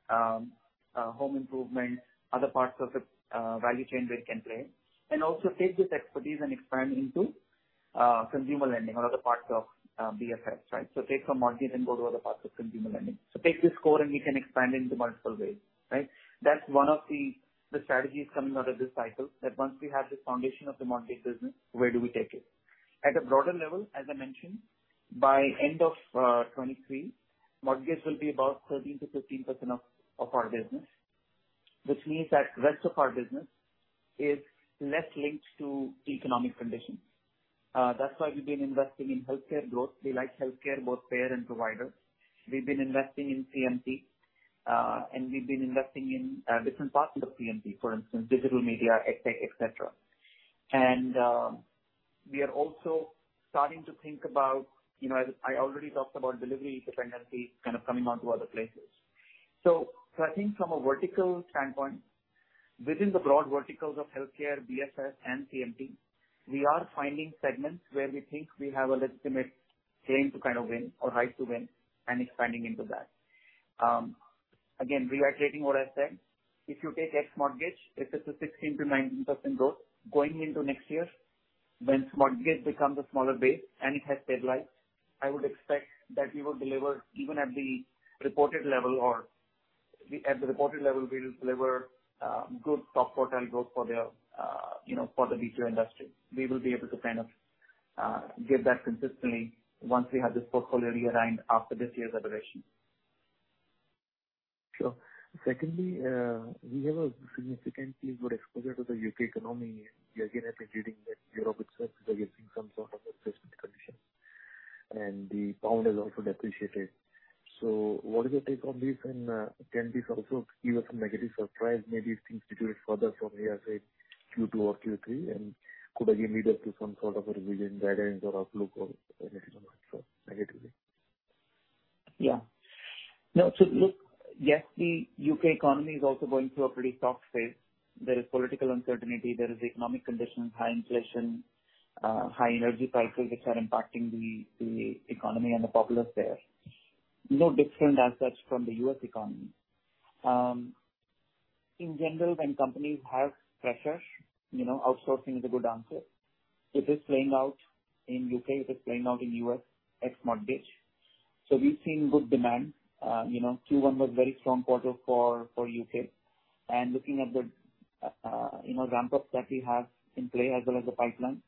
home improvement, other parts of the value chain we can play. Take this expertise and expand into consumer lending or other parts of BFS, right? Take some mortgage and go to other parts of consumer lending. Take this core and we can expand into multiple ways, right? That's one of the strategies coming out of this cycle, that once we have this foundation of the mortgage business, where do we take it? At a broader level, as I mentioned, by end of 2023, mortgage will be about 13%-15% of our business, which means that rest of our business is less linked to economic conditions. That's why we've been investing in healthcare growth. We like healthcare, both payer and provider. We've been investing in CMT, and we've been investing in different parts of the CMT, for instance, digital media, edtech, etc. We are also starting to think about, you know, as I already talked about delivery dependency kind of coming onto other places. So I think from a vertical standpoint, within the broad verticals of healthcare, BFS and CMT, we are finding segments where we think we have a legitimate claim to kind of win or right to win and expanding into that. Again, reiterating what I said, if you take X mortgage, if it's a 16%-19% growth going into next year, when mortgage becomes a smaller base and it has stabilized, I would expect that we will deliver even at the reported level good top quartile growth for the, you know, for the BPO industry. We will be able to kind of give that consistently once we have this portfolio realigned after this year's acquisition. Sure. Secondly, we have a significantly good exposure to the U.K. economy, and yet again I've been reading that Europe itself is facing some sort of a recession condition, and the pound has also depreciated. What is your take on this and can this also give us a negative surprise, maybe if things deteriorate further from here, say Q2 or Q3? Could again lead up to some sort of a revision guidance or outlook or anything like that, so negatively? No, look, yes, the U.K. economy is also going through a pretty tough phase. There is political uncertainty, there is economic conditions, high inflation, high energy prices which are impacting the economy and the populace there. No different as such from the U.S. economy. In general, when companies have pressure, you know, outsourcing is a good answer. It is playing out in U.K., it is playing out in U.S. at mortgage. We've seen good demand. Q1 was very strong quarter for U.K. Looking at the ramp up that we have in play as well as the pipeline,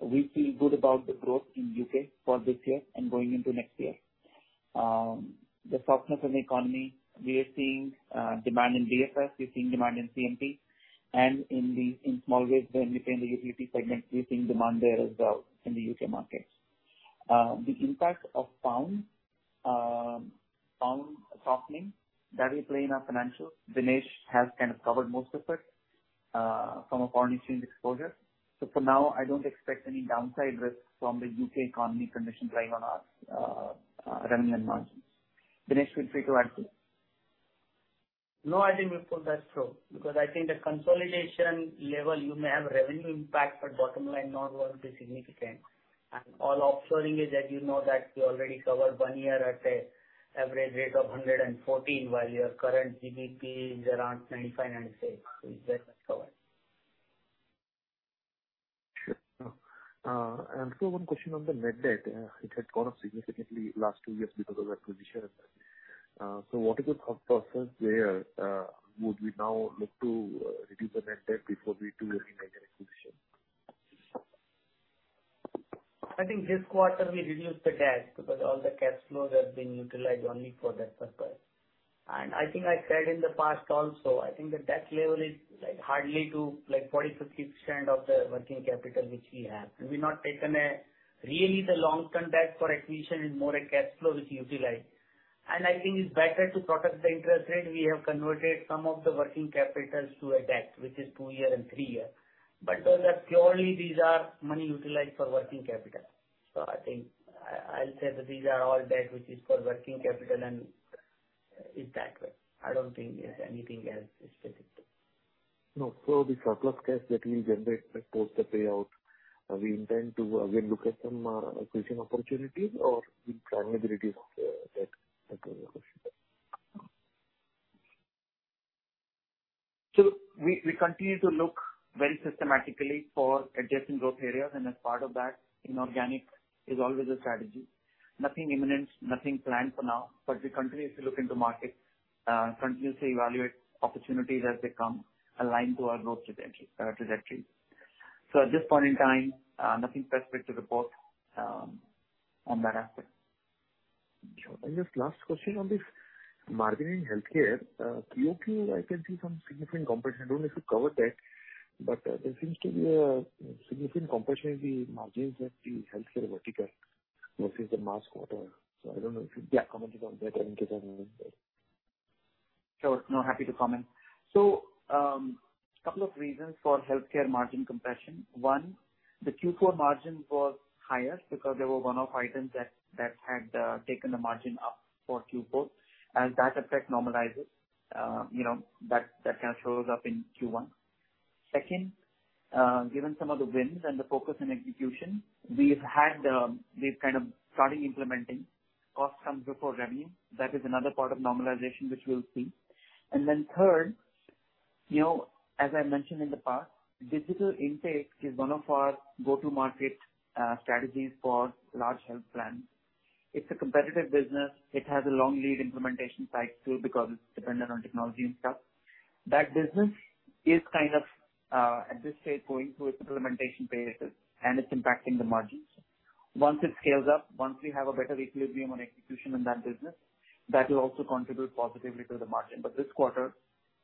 we feel good about the growth in U.K. for this year and going into next year. The softness in the economy, we are seeing demand in BFS, we're seeing demand in CMT and in the mortgage within the UTP segment, we're seeing demand there as well in the UK market. The impact of pound softening, that will play in our financials. Dinesh has kind of covered most of it. From a foreign exchange exposure. For now, I don't expect any downside risks from the UK economic conditions weighing on our revenue and margins. Vinesh, feel free to add to it. No, I think, Vipul, that's true because I think the consolidation level, you may have revenue impact, but bottom line not going to be significant. All offshoring is that you know that we already covered one year at a average rate of 114 while your current GBP is around 95, 96. That covers. Sure. One question on the net debt. It had gone up significantly last two years because of acquisitions. What is your thought process there? Would we now look to reduce the net debt before we do any major acquisition? I think this quarter we reduced the debt because all the cash flows have been utilized only for that purpose. I think I said in the past also, I think the debt level is like hardly 40-50% of the working capital which we have. We've not taken Really the long-term debt for acquisition is more a cash flow which we utilize. I think it's better to protect the interest rate, we have converted some of the working capitals to a debt, which is 2-year and 3-year. Those are purely these are money utilized for working capital. I think I'll say that these are all debt which is for working capital and in that way. I don't think there's anything else specific there. No. The surplus cash that we'll generate post the payout, we intend to, again, look at some acquisition opportunities or we'll prepay the debt that was mentioned? We continue to look very systematically for adjacent growth areas, and as part of that, inorganic is always a strategy. Nothing imminent, nothing planned for now. We continuously look into market, continuously evaluate opportunities as they come aligned to our growth trajectory. At this point in time, nothing specific to report on that aspect. Sure. Just last question on this margin in healthcare. QOQ I can see some significant compression. I don't know if you covered that, but there seems to be a significant compression in the margins of the healthcare vertical versus the last quarter. I don't know if you Yes commented on that or in case I missed it. Sure. No, happy to comment. Couple of reasons for healthcare margin compression. One, the Q4 margin was higher because there were one-off items that had taken the margin up for Q4, and that effect normalizes that kind of shows up in Q1. Second, given some of the wins and the focus on execution, we've kind of started implementing costs comes before revenue. That is another part of normalization which we'll see. Third, you know, as I mentioned in the past, digital intake is one of our go-to-market strategies for large health plans. It's a competitive business. It has a long lead implementation cycle because it's dependent on technology and stuff. That business is kind of at this stage going through its implementation phases, and it's impacting the margins. Once it scales up, once we have a better equilibrium on execution in that business, that will also contribute positively to the margin. This quarter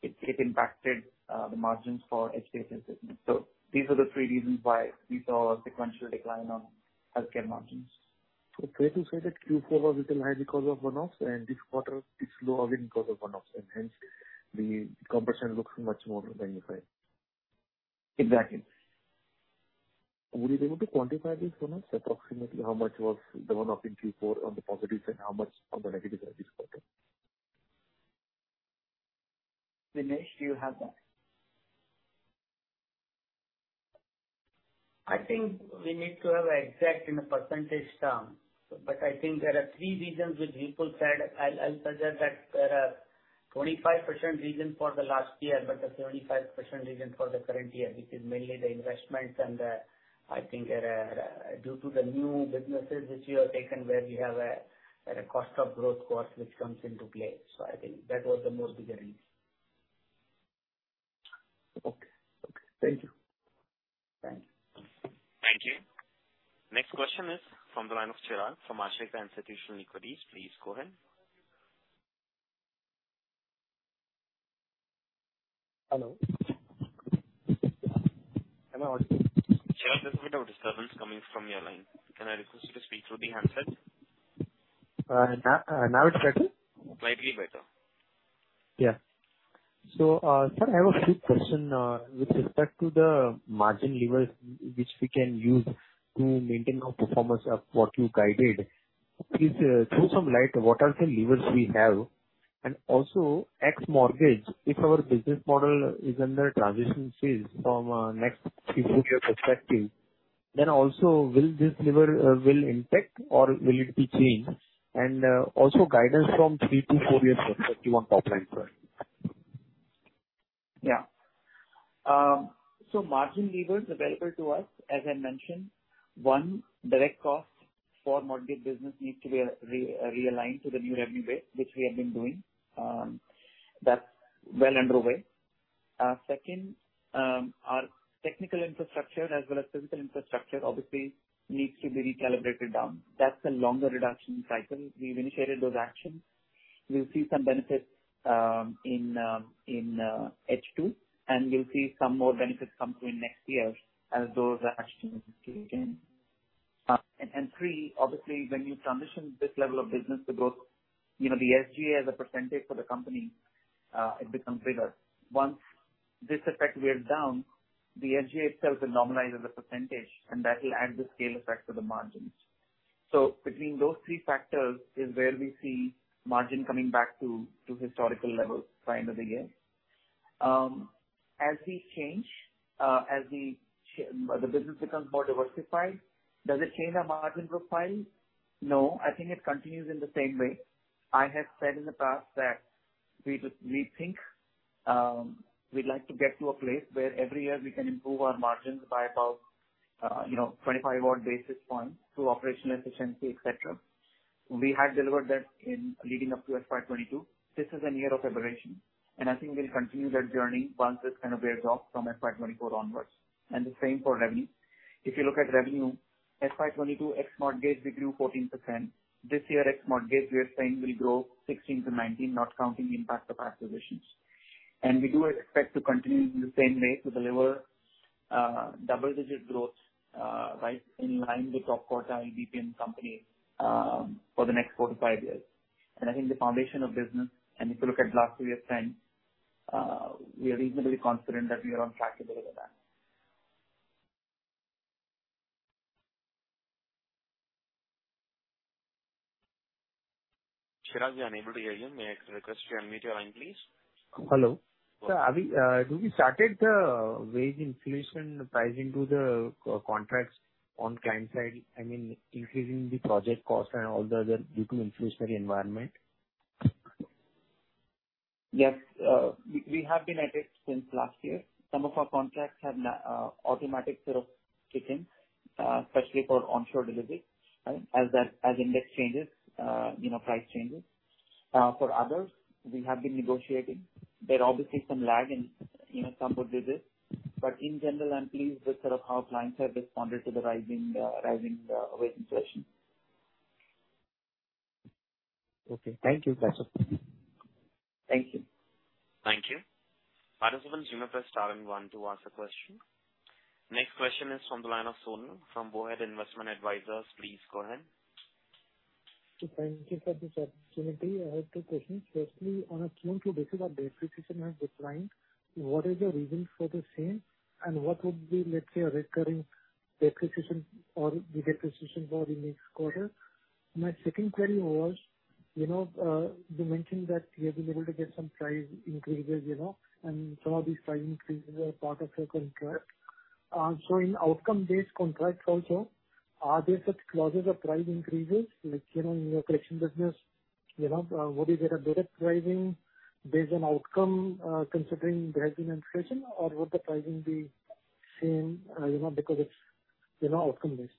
it impacted the margins for HCLS services. These are the three reasons why we saw a sequential decline on healthcare margins. Fair to say that Q4 was a little high because of one-offs and this quarter it's lower because of one-offs and hence the compression looks much more than you say? Exactly. Would you be able to quantify these one-offs, approximately how much was the one-off in Q4 on the positives and how much on the negatives on this quarter? Dinesh, do you have that? I think we need to have an exact in a percentage term, but I think there are three reasons which Vipul said. I'll suggest that there are 25% reason for the last year, but a 25% reason for the current year, which is mainly the investments and due to the new businesses which you have taken where you have a cost of growth which comes into play. I think that was the more bigger reason. Okay. Okay, thank you. Thank you. Thank you. Next question is from the line of Chirag from Ashika Institutional Equities. Please go ahead. Hello. Can I ask you? Chirag, there's a bit of disturbance coming from your line. Can I request you to speak through the handset? Now it's better? Slightly better. Sir, I have a quick question with respect to the margin levers which we can use to maintain our performance of what you guided. Please throw some light on what are the levers we have. X mortgage, if our business model is under transition phase from a next fiscal year perspective, then also will this lever impact or will it be changed? Guidance from 3-4 year perspective on top line growth. Margin levers available to us, as I mentioned, one, direct cost for mortgage business needs to be realigned to the new revenue base, which we have been doing. That's well underway. Second, our technical infrastructure as well as physical infrastructure obviously needs to be recalibrated down. That's a longer reduction cycle. We've initiated those actions. We'll see some benefits in H2, and we'll see some more benefits come through in next year as those actions kick in. Three, obviously, when you transition this level of business to growth, you know, the SG&A as a percentage for the company, it becomes bigger. Once this effect wears down, the SG&A itself will normalize as a percentage, and that will add the scale effect to the margins. Between those three factors is where we see margin coming back to historical levels by end of the year. As the business becomes more diversified, does it change our margin profile? No, I think it continues in the same way. I have said in the past that we think we'd like to get to a place where every year we can improve our margins by about, you know, 25 odd basis points through operational efficiency, et cetera. We had delivered that in leading up to FY 2022. This is a year of recalibration, and I think we'll continue that journey once this kind of wears off from FY 2024 onwards. The same for revenue. If you look at revenue, FY 2022 ex mortgage, we grew 14%. This year ex-mortgage, we are saying we'll grow 16%-19%, not counting the impact of acquisitions. We do expect to continue in the same way to deliver double-digit growth right in line with top quartile BPM company for the next 4-5 years. I think the foundation of business, and if you look at last three years' trend, we are reasonably confident that we are on track to deliver that. Chirag, we are unable to hear you. May I request you unmute your line, please. Hello. Have you started the wage inflation pricing to the customer contracts on client side, I mean, increasing the project costs and all the other due to inflationary environment? Yes, we have been at it since last year. Some of our contracts have automatic sort of kicking, especially for onshore delivery, right? As the index changes price changes. For others, we have been negotiating. There are obviously some lag in some of the business. In general, I'm pleased with sort of how clients have responded to the rising wage inflation. Okay. Thank you, Prasanth. Thank you. Thank you. Participants, you may press star and one to ask a question. Next question is from the line of Sonal from Bohra Investment Advisors. Please go ahead. Thank you for this opportunity. I have two questions. Firstly, on a Q-on-Q basis our depreciation has declined. What is your reason for the same and what would be, let's say, a recurring depreciation or the depreciation for the next quarter? My second query was, you mentioned that you have been able to get some price increases and some of these price increases are part of your contract. So in outcome-based contracts also, are there such clauses of price increases in your collection business, you know, a direct pricing based on outcome, considering the rising inflation or would the pricing be same, you know, because it's, you know, outcome-based?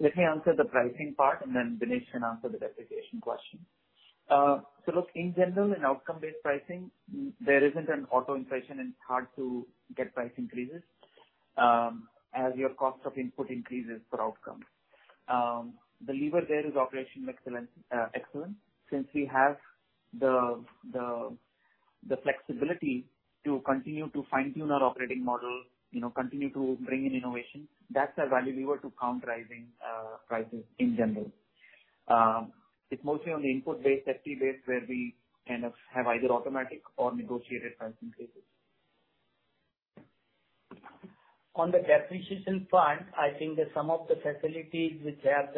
Let me answer the pricing part and then Dinesh can answer the depreciation question. Look, in general in outcome-based pricing, there isn't an auto inflation and it's hard to get price increases, as your cost of input increases for outcomes. The lever there is operational excellence. Since we have the flexibility to continue to fine-tune our operating model, continue to bring in innovation, that's our value lever to counter rising prices in general. It's mostly on the input-based, FP-based, where we kind of have either automatic or negotiated price increases. On the depreciation front, I think that some of the facilities which have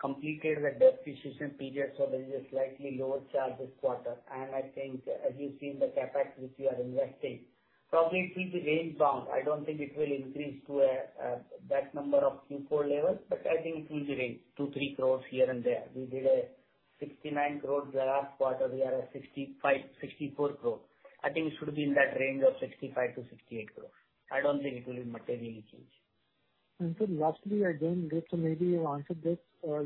completed their depreciation period, so there is a slightly lower charge this quarter. I think as you've seen the CapEx which we are investing, probably it will be range bound. I don't think it will increase to that number of Q4 levels, but I think it will range 2-3 crores here and there. We did 69 crore the last quarter. We are at 65, 64 crore. I think it should be in that range of 65 crore-68 crore. I don't think it will materially change. Sir, lastly, I didn't get, so maybe you answered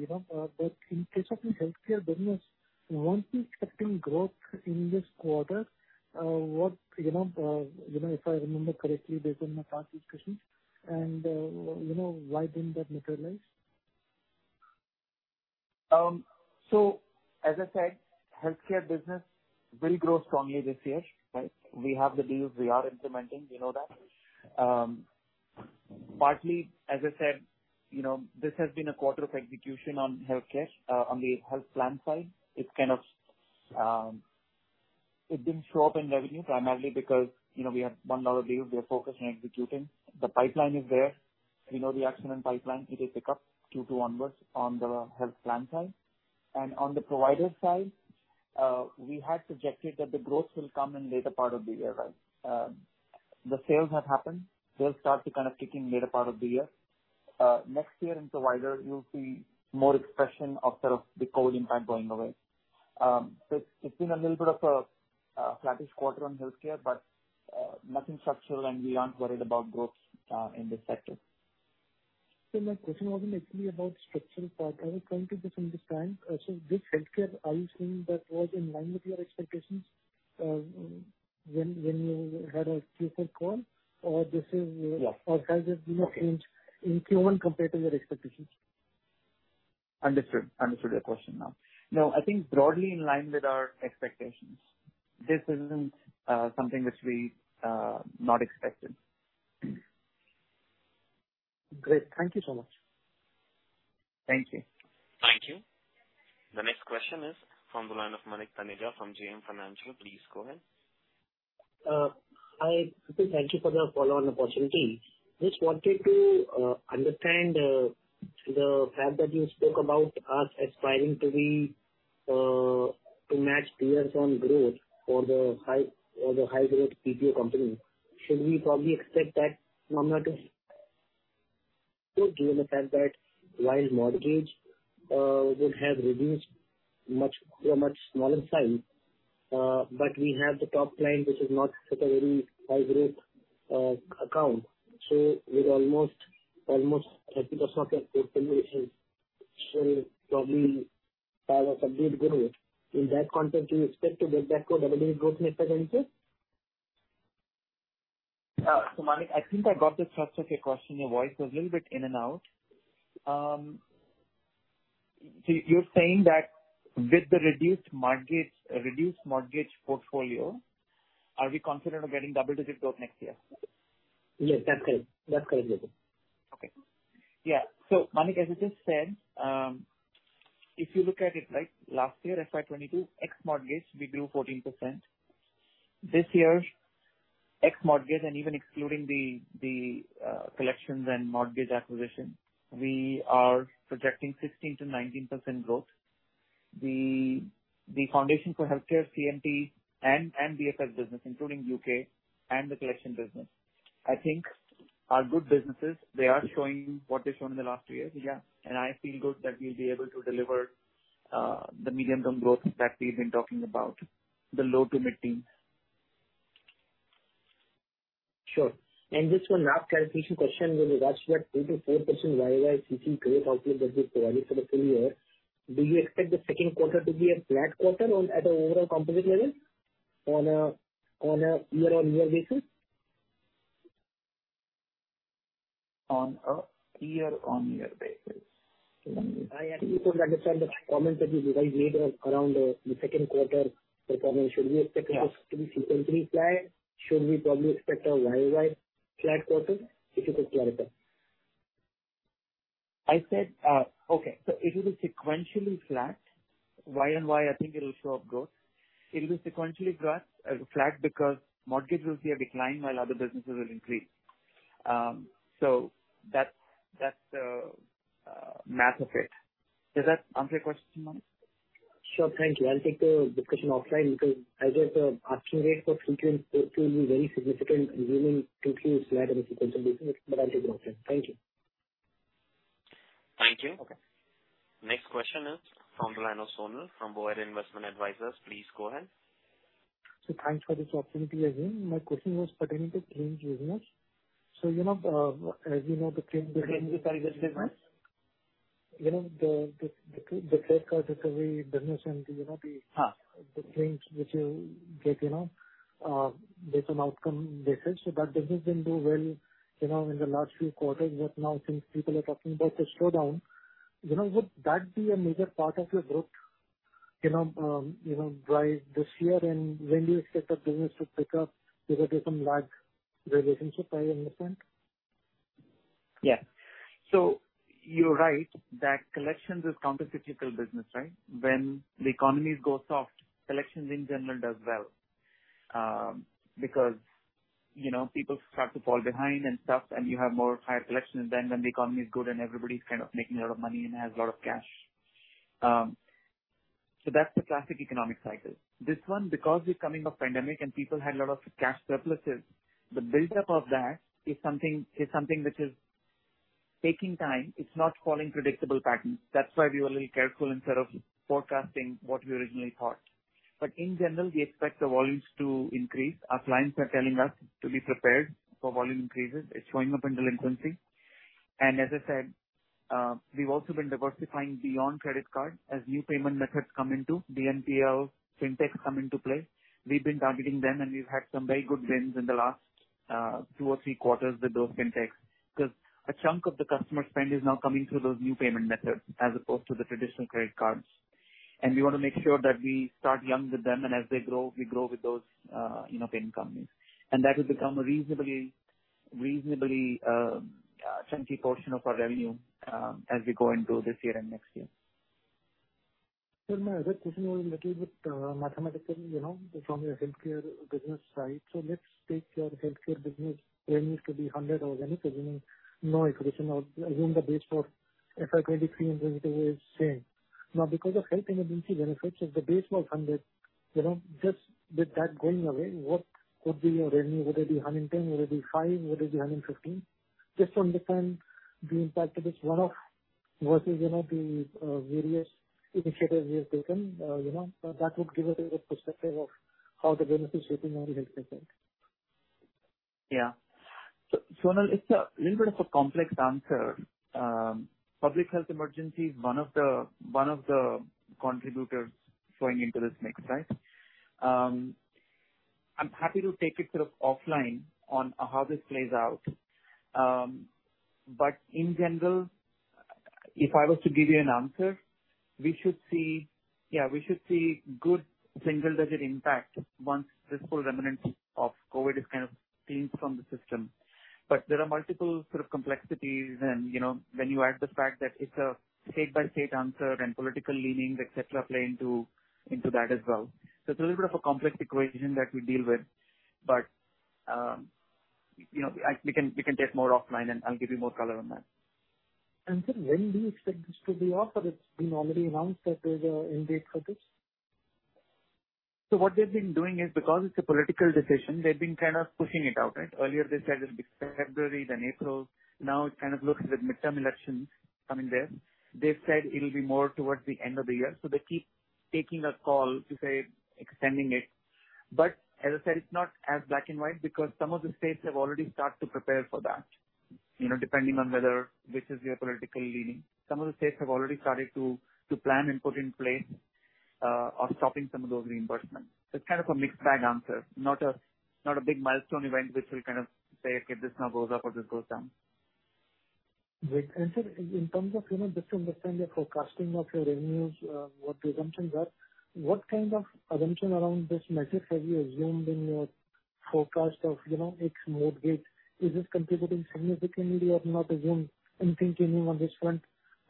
this. In case of your healthcare business, you weren't expecting growth in this quarter. What, if I remember correctly based on my past discussions and, why didn't that materialize? As I said, healthcare business will grow strongly this year, right? We have the deals we are implementing, we know that. Partly, as I said, This has been a quarter of execution on healthcare. On the health plan side, it's kind of, it didn't show up in revenue primarily because we have $1 deals. We are focused on executing. The pipeline is there. We know the acquisition pipeline. It will pick up Q2 onward on the health plan side. On the provider side, we had projected that the growth will come in later part of the year, right? The sales have happened. They'll start to kind of kick in later part of the year. Next year in provider you'll see more expression of sort of the COVID impact going away. It's been a little bit of a flattish quarter on healthcare, but nothing structural and we aren't worried about growth in this sector. My question wasn't actually about structural part. I was trying to just understand. This healthcare, are you saying that was in line with your expectations, when you had a Q4 call or this is- Yes Has it been a change in Q1 compared to your expectations? Understood your question now. No, I think broadly in line with our expectations. This isn't something which we not expected. Great. Thank you so much. Thank you. Thank you. The next question is from the line of Manik Taneja from JM Financial. Please go ahead. Hi, Ritu. Thank you for the follow-on opportunity. Just wanted to understand the fact that you spoke about us aspiring to be to match peers on growth for the high-growth BPO company. Should we probably expect that number, too, given the fact that while mortgage would have reduced to a much smaller size, but we have the top line, which is not such a very high growth account. With almost 30% of portfolio should probably have a subdued growth. In that context, do you expect to get back to double-digit growth next financial? Manik, I think I got the structure of your question. Your voice was a little bit in and out. You're saying that with the reduced mortgage portfolio, are we confident of getting double-digit growth next year? Yes, that's correct. That's correct, Ritesh Idnani. Manik, as I just said, if you look at it, right, last year, FY 2022, ex mortgage, we grew 14%. This year, ex mortgage and even excluding the collections and mortgage acquisition, we are projecting 16%-19% growth. The foundation for healthcare, CMT, and BFS business, including UK and the collection business, I think are good businesses. They are showing what they've shown in the last two years. I feel good that we'll be able to deliver the medium-term growth that we've been talking about, the low to mid-teens. Sure. Just one MAP clarification question. When you talked about 2%-4% YY growth outlook that you provided for the full year, do you expect the second quarter to be a flat quarter at an overall composite level on a year-on-year basis? On a year-on-year basis. I actually couldn't understand the comments that you guys made around the second quarter performance. Should we expect Yes Is this to be sequentially flat? Should we probably expect a YoY flat quarter? If you could clarify. I said, Okay, so it is sequentially flat. YoY, I think it'll show up growth. It is sequentially flat because mortgage will see a decline while other businesses will increase. That's the math of it. Does that answer your question, Manik? Sure. Thank you. I'll take the discussion offline because as of the asking rate for sequential, it will be very significant given two Qs flat on a sequential basis. I'll take it offline. Thank you. Thank you. Okay. Next question is from the line of Sonal from Bohra Investment Advisors. Please go ahead. Thanks for this opportunity again. My question was pertaining to claims business. The claims business. Claims business. You know, the credit card recovery business and you know. Uh. The claims which you get based on outcome basis. That business didn't do well, you know, in the last few quarters. Now since people are talking about the slowdown, you know, would that be a major part of your growth by this year and when do you expect that business to pick up? Is it based on lag relationship, I understand? You're right that collections is countercyclical business, right? When the economies go soft, collections in general does well, because, you know, people start to fall behind and stuff, and you have much higher collections than when the economy is good and everybody's kind of making a lot of money and has a lot of cash. That's the classic economic cycle. This one, because we're coming off pandemic and people had a lot of cash surpluses, the buildup of that is something which is taking time. It's not following predictable patterns. That's why we were a little careful in terms of forecasting what we originally thought. In general, we expect the volumes to increase. Our clients are telling us to be prepared for volume increases. It's showing up in delinquency. As I said, we've also been diversifying beyond credit card as new payment methods come into BNPL, fintechs come into play. We've been targeting them, and we've had some very good wins in the last two or three quarters with those fintechs because a chunk of the customer spend is now coming through those new payment methods as opposed to the traditional credit cards. We wanna make sure that we start young with them, and as they grow, we grow with those, you know, payment companies. That will become a reasonably chunky portion of our revenue as we go into this year and next year. My other question was little bit mathematical, you know, from your healthcare business side. Let's take your healthcare business revenue to be 100 or any assuming no acquisition or assume the base for FY 2023 and going forward is same. Now, because of health emergency benefits, if the base was INR 100, just with that going away, what could be your revenue? Would it be 110? Would it be 105? Would it be 115? Just to understand the impact of this one-off versus, you know, the various initiatives you have taken, you know. That would give us a good perspective of how the benefits shaping on the health effect. Sonal it's a little bit of a complex answer. Public health emergency is one of the contributors going into this mix, right? I'm happy to take it sort of offline on how this plays out. In general, if I was to give you an answer, we should see good single-digit impact once this whole remnant of COVID is kind of cleaned from the system. There are multiple sort of complexities and when you add the fact that it's a state-by-state answer and political leanings, et cetera, play into that as well. It's a little bit of a complex equation that we deal with. We can take more offline and I'll give you more color on that. Sir, when do you expect this to be off? Or it's been already announced that there's an end date for this. What they've been doing is because it's a political decision, they've been kind of pushing it out, right? Earlier they said it'll be February, then April. Now it kind of looks at midterm elections coming there. They've said it'll be more towards the end of the year. They keep taking a call to say extending it. As I said, it's not as black and white because some of the states have already started to prepare for that. You know, depending on whether which is your political leaning. Some of the states have already started to plan and put in place on stopping some of those reimbursements. It's kind of a mixed bag answer, not a big milestone event which will kind of say, "Okay, this now goes up or this goes down. Great. Sir, in terms of, you know, just to understand your forecasting of your revenues, what the assumptions are, what kind of assumption around this measure have you assumed in your forecast of, you know, X mode gate? Is this contributing significantly or not assumed anything to you on this front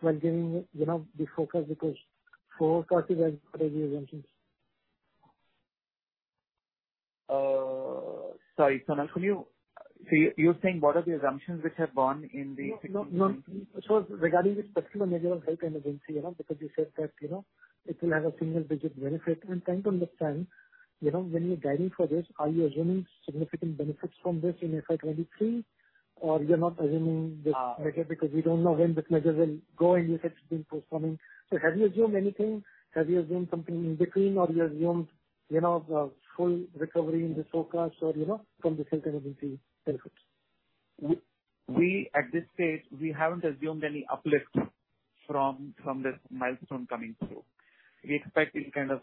when giving, The forecast? Because forecast is as per the assumptions. Sorry, Sonal, you're saying what are the assumptions which have gone in the- No, Regarding this particular measure of health emergency, you know, because you said that, you know, it will have a single-digit benefit. I'm trying to understand, when you're guiding for this, are you assuming significant benefits from this in FY 2023 or you're not assuming this measure because we don't know when this measure will go and you said it's been postponed. Have you assumed anything? Have you assumed something in between or you assumed, Full recovery in this forecast from this health emergency benefits? At this stage, we haven't assumed any uplift from this milestone coming through. We expect it'll kind of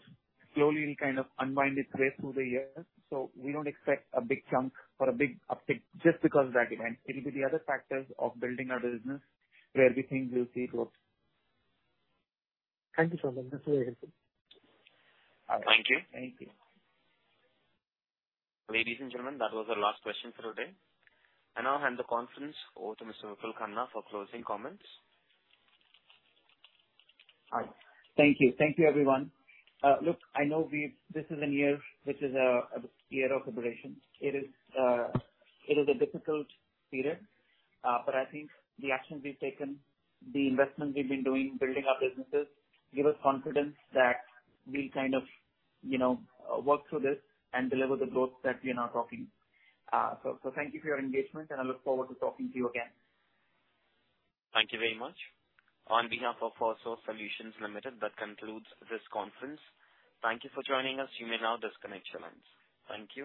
slowly unwind its way through the year, so we don't expect a big chunk or a big uptick just because of that event. It'll be the other factors of building our business where we think you'll see growth. Thank you so much. That's very helpful. Thank you. Thank you. Ladies and gentlemen, that was our last question for today. I now hand the conference over to Mr. Ritesh Idnani for closing comments. Hi. Thank you. Everyone. Look, this is a year of recalibration. It is a difficult period, but I think the actions we've taken, the investments we've been doing building our businesses give us confidence that we'll kind of work through this and deliver the growth that we are now talking. Thank you for your engagement, and I look forward to talking to you again. Thank you very much. On behalf of Firstsource Solutions Limited, that concludes this conference. Thank you for joining us. You may now disconnect your lines. Thank you.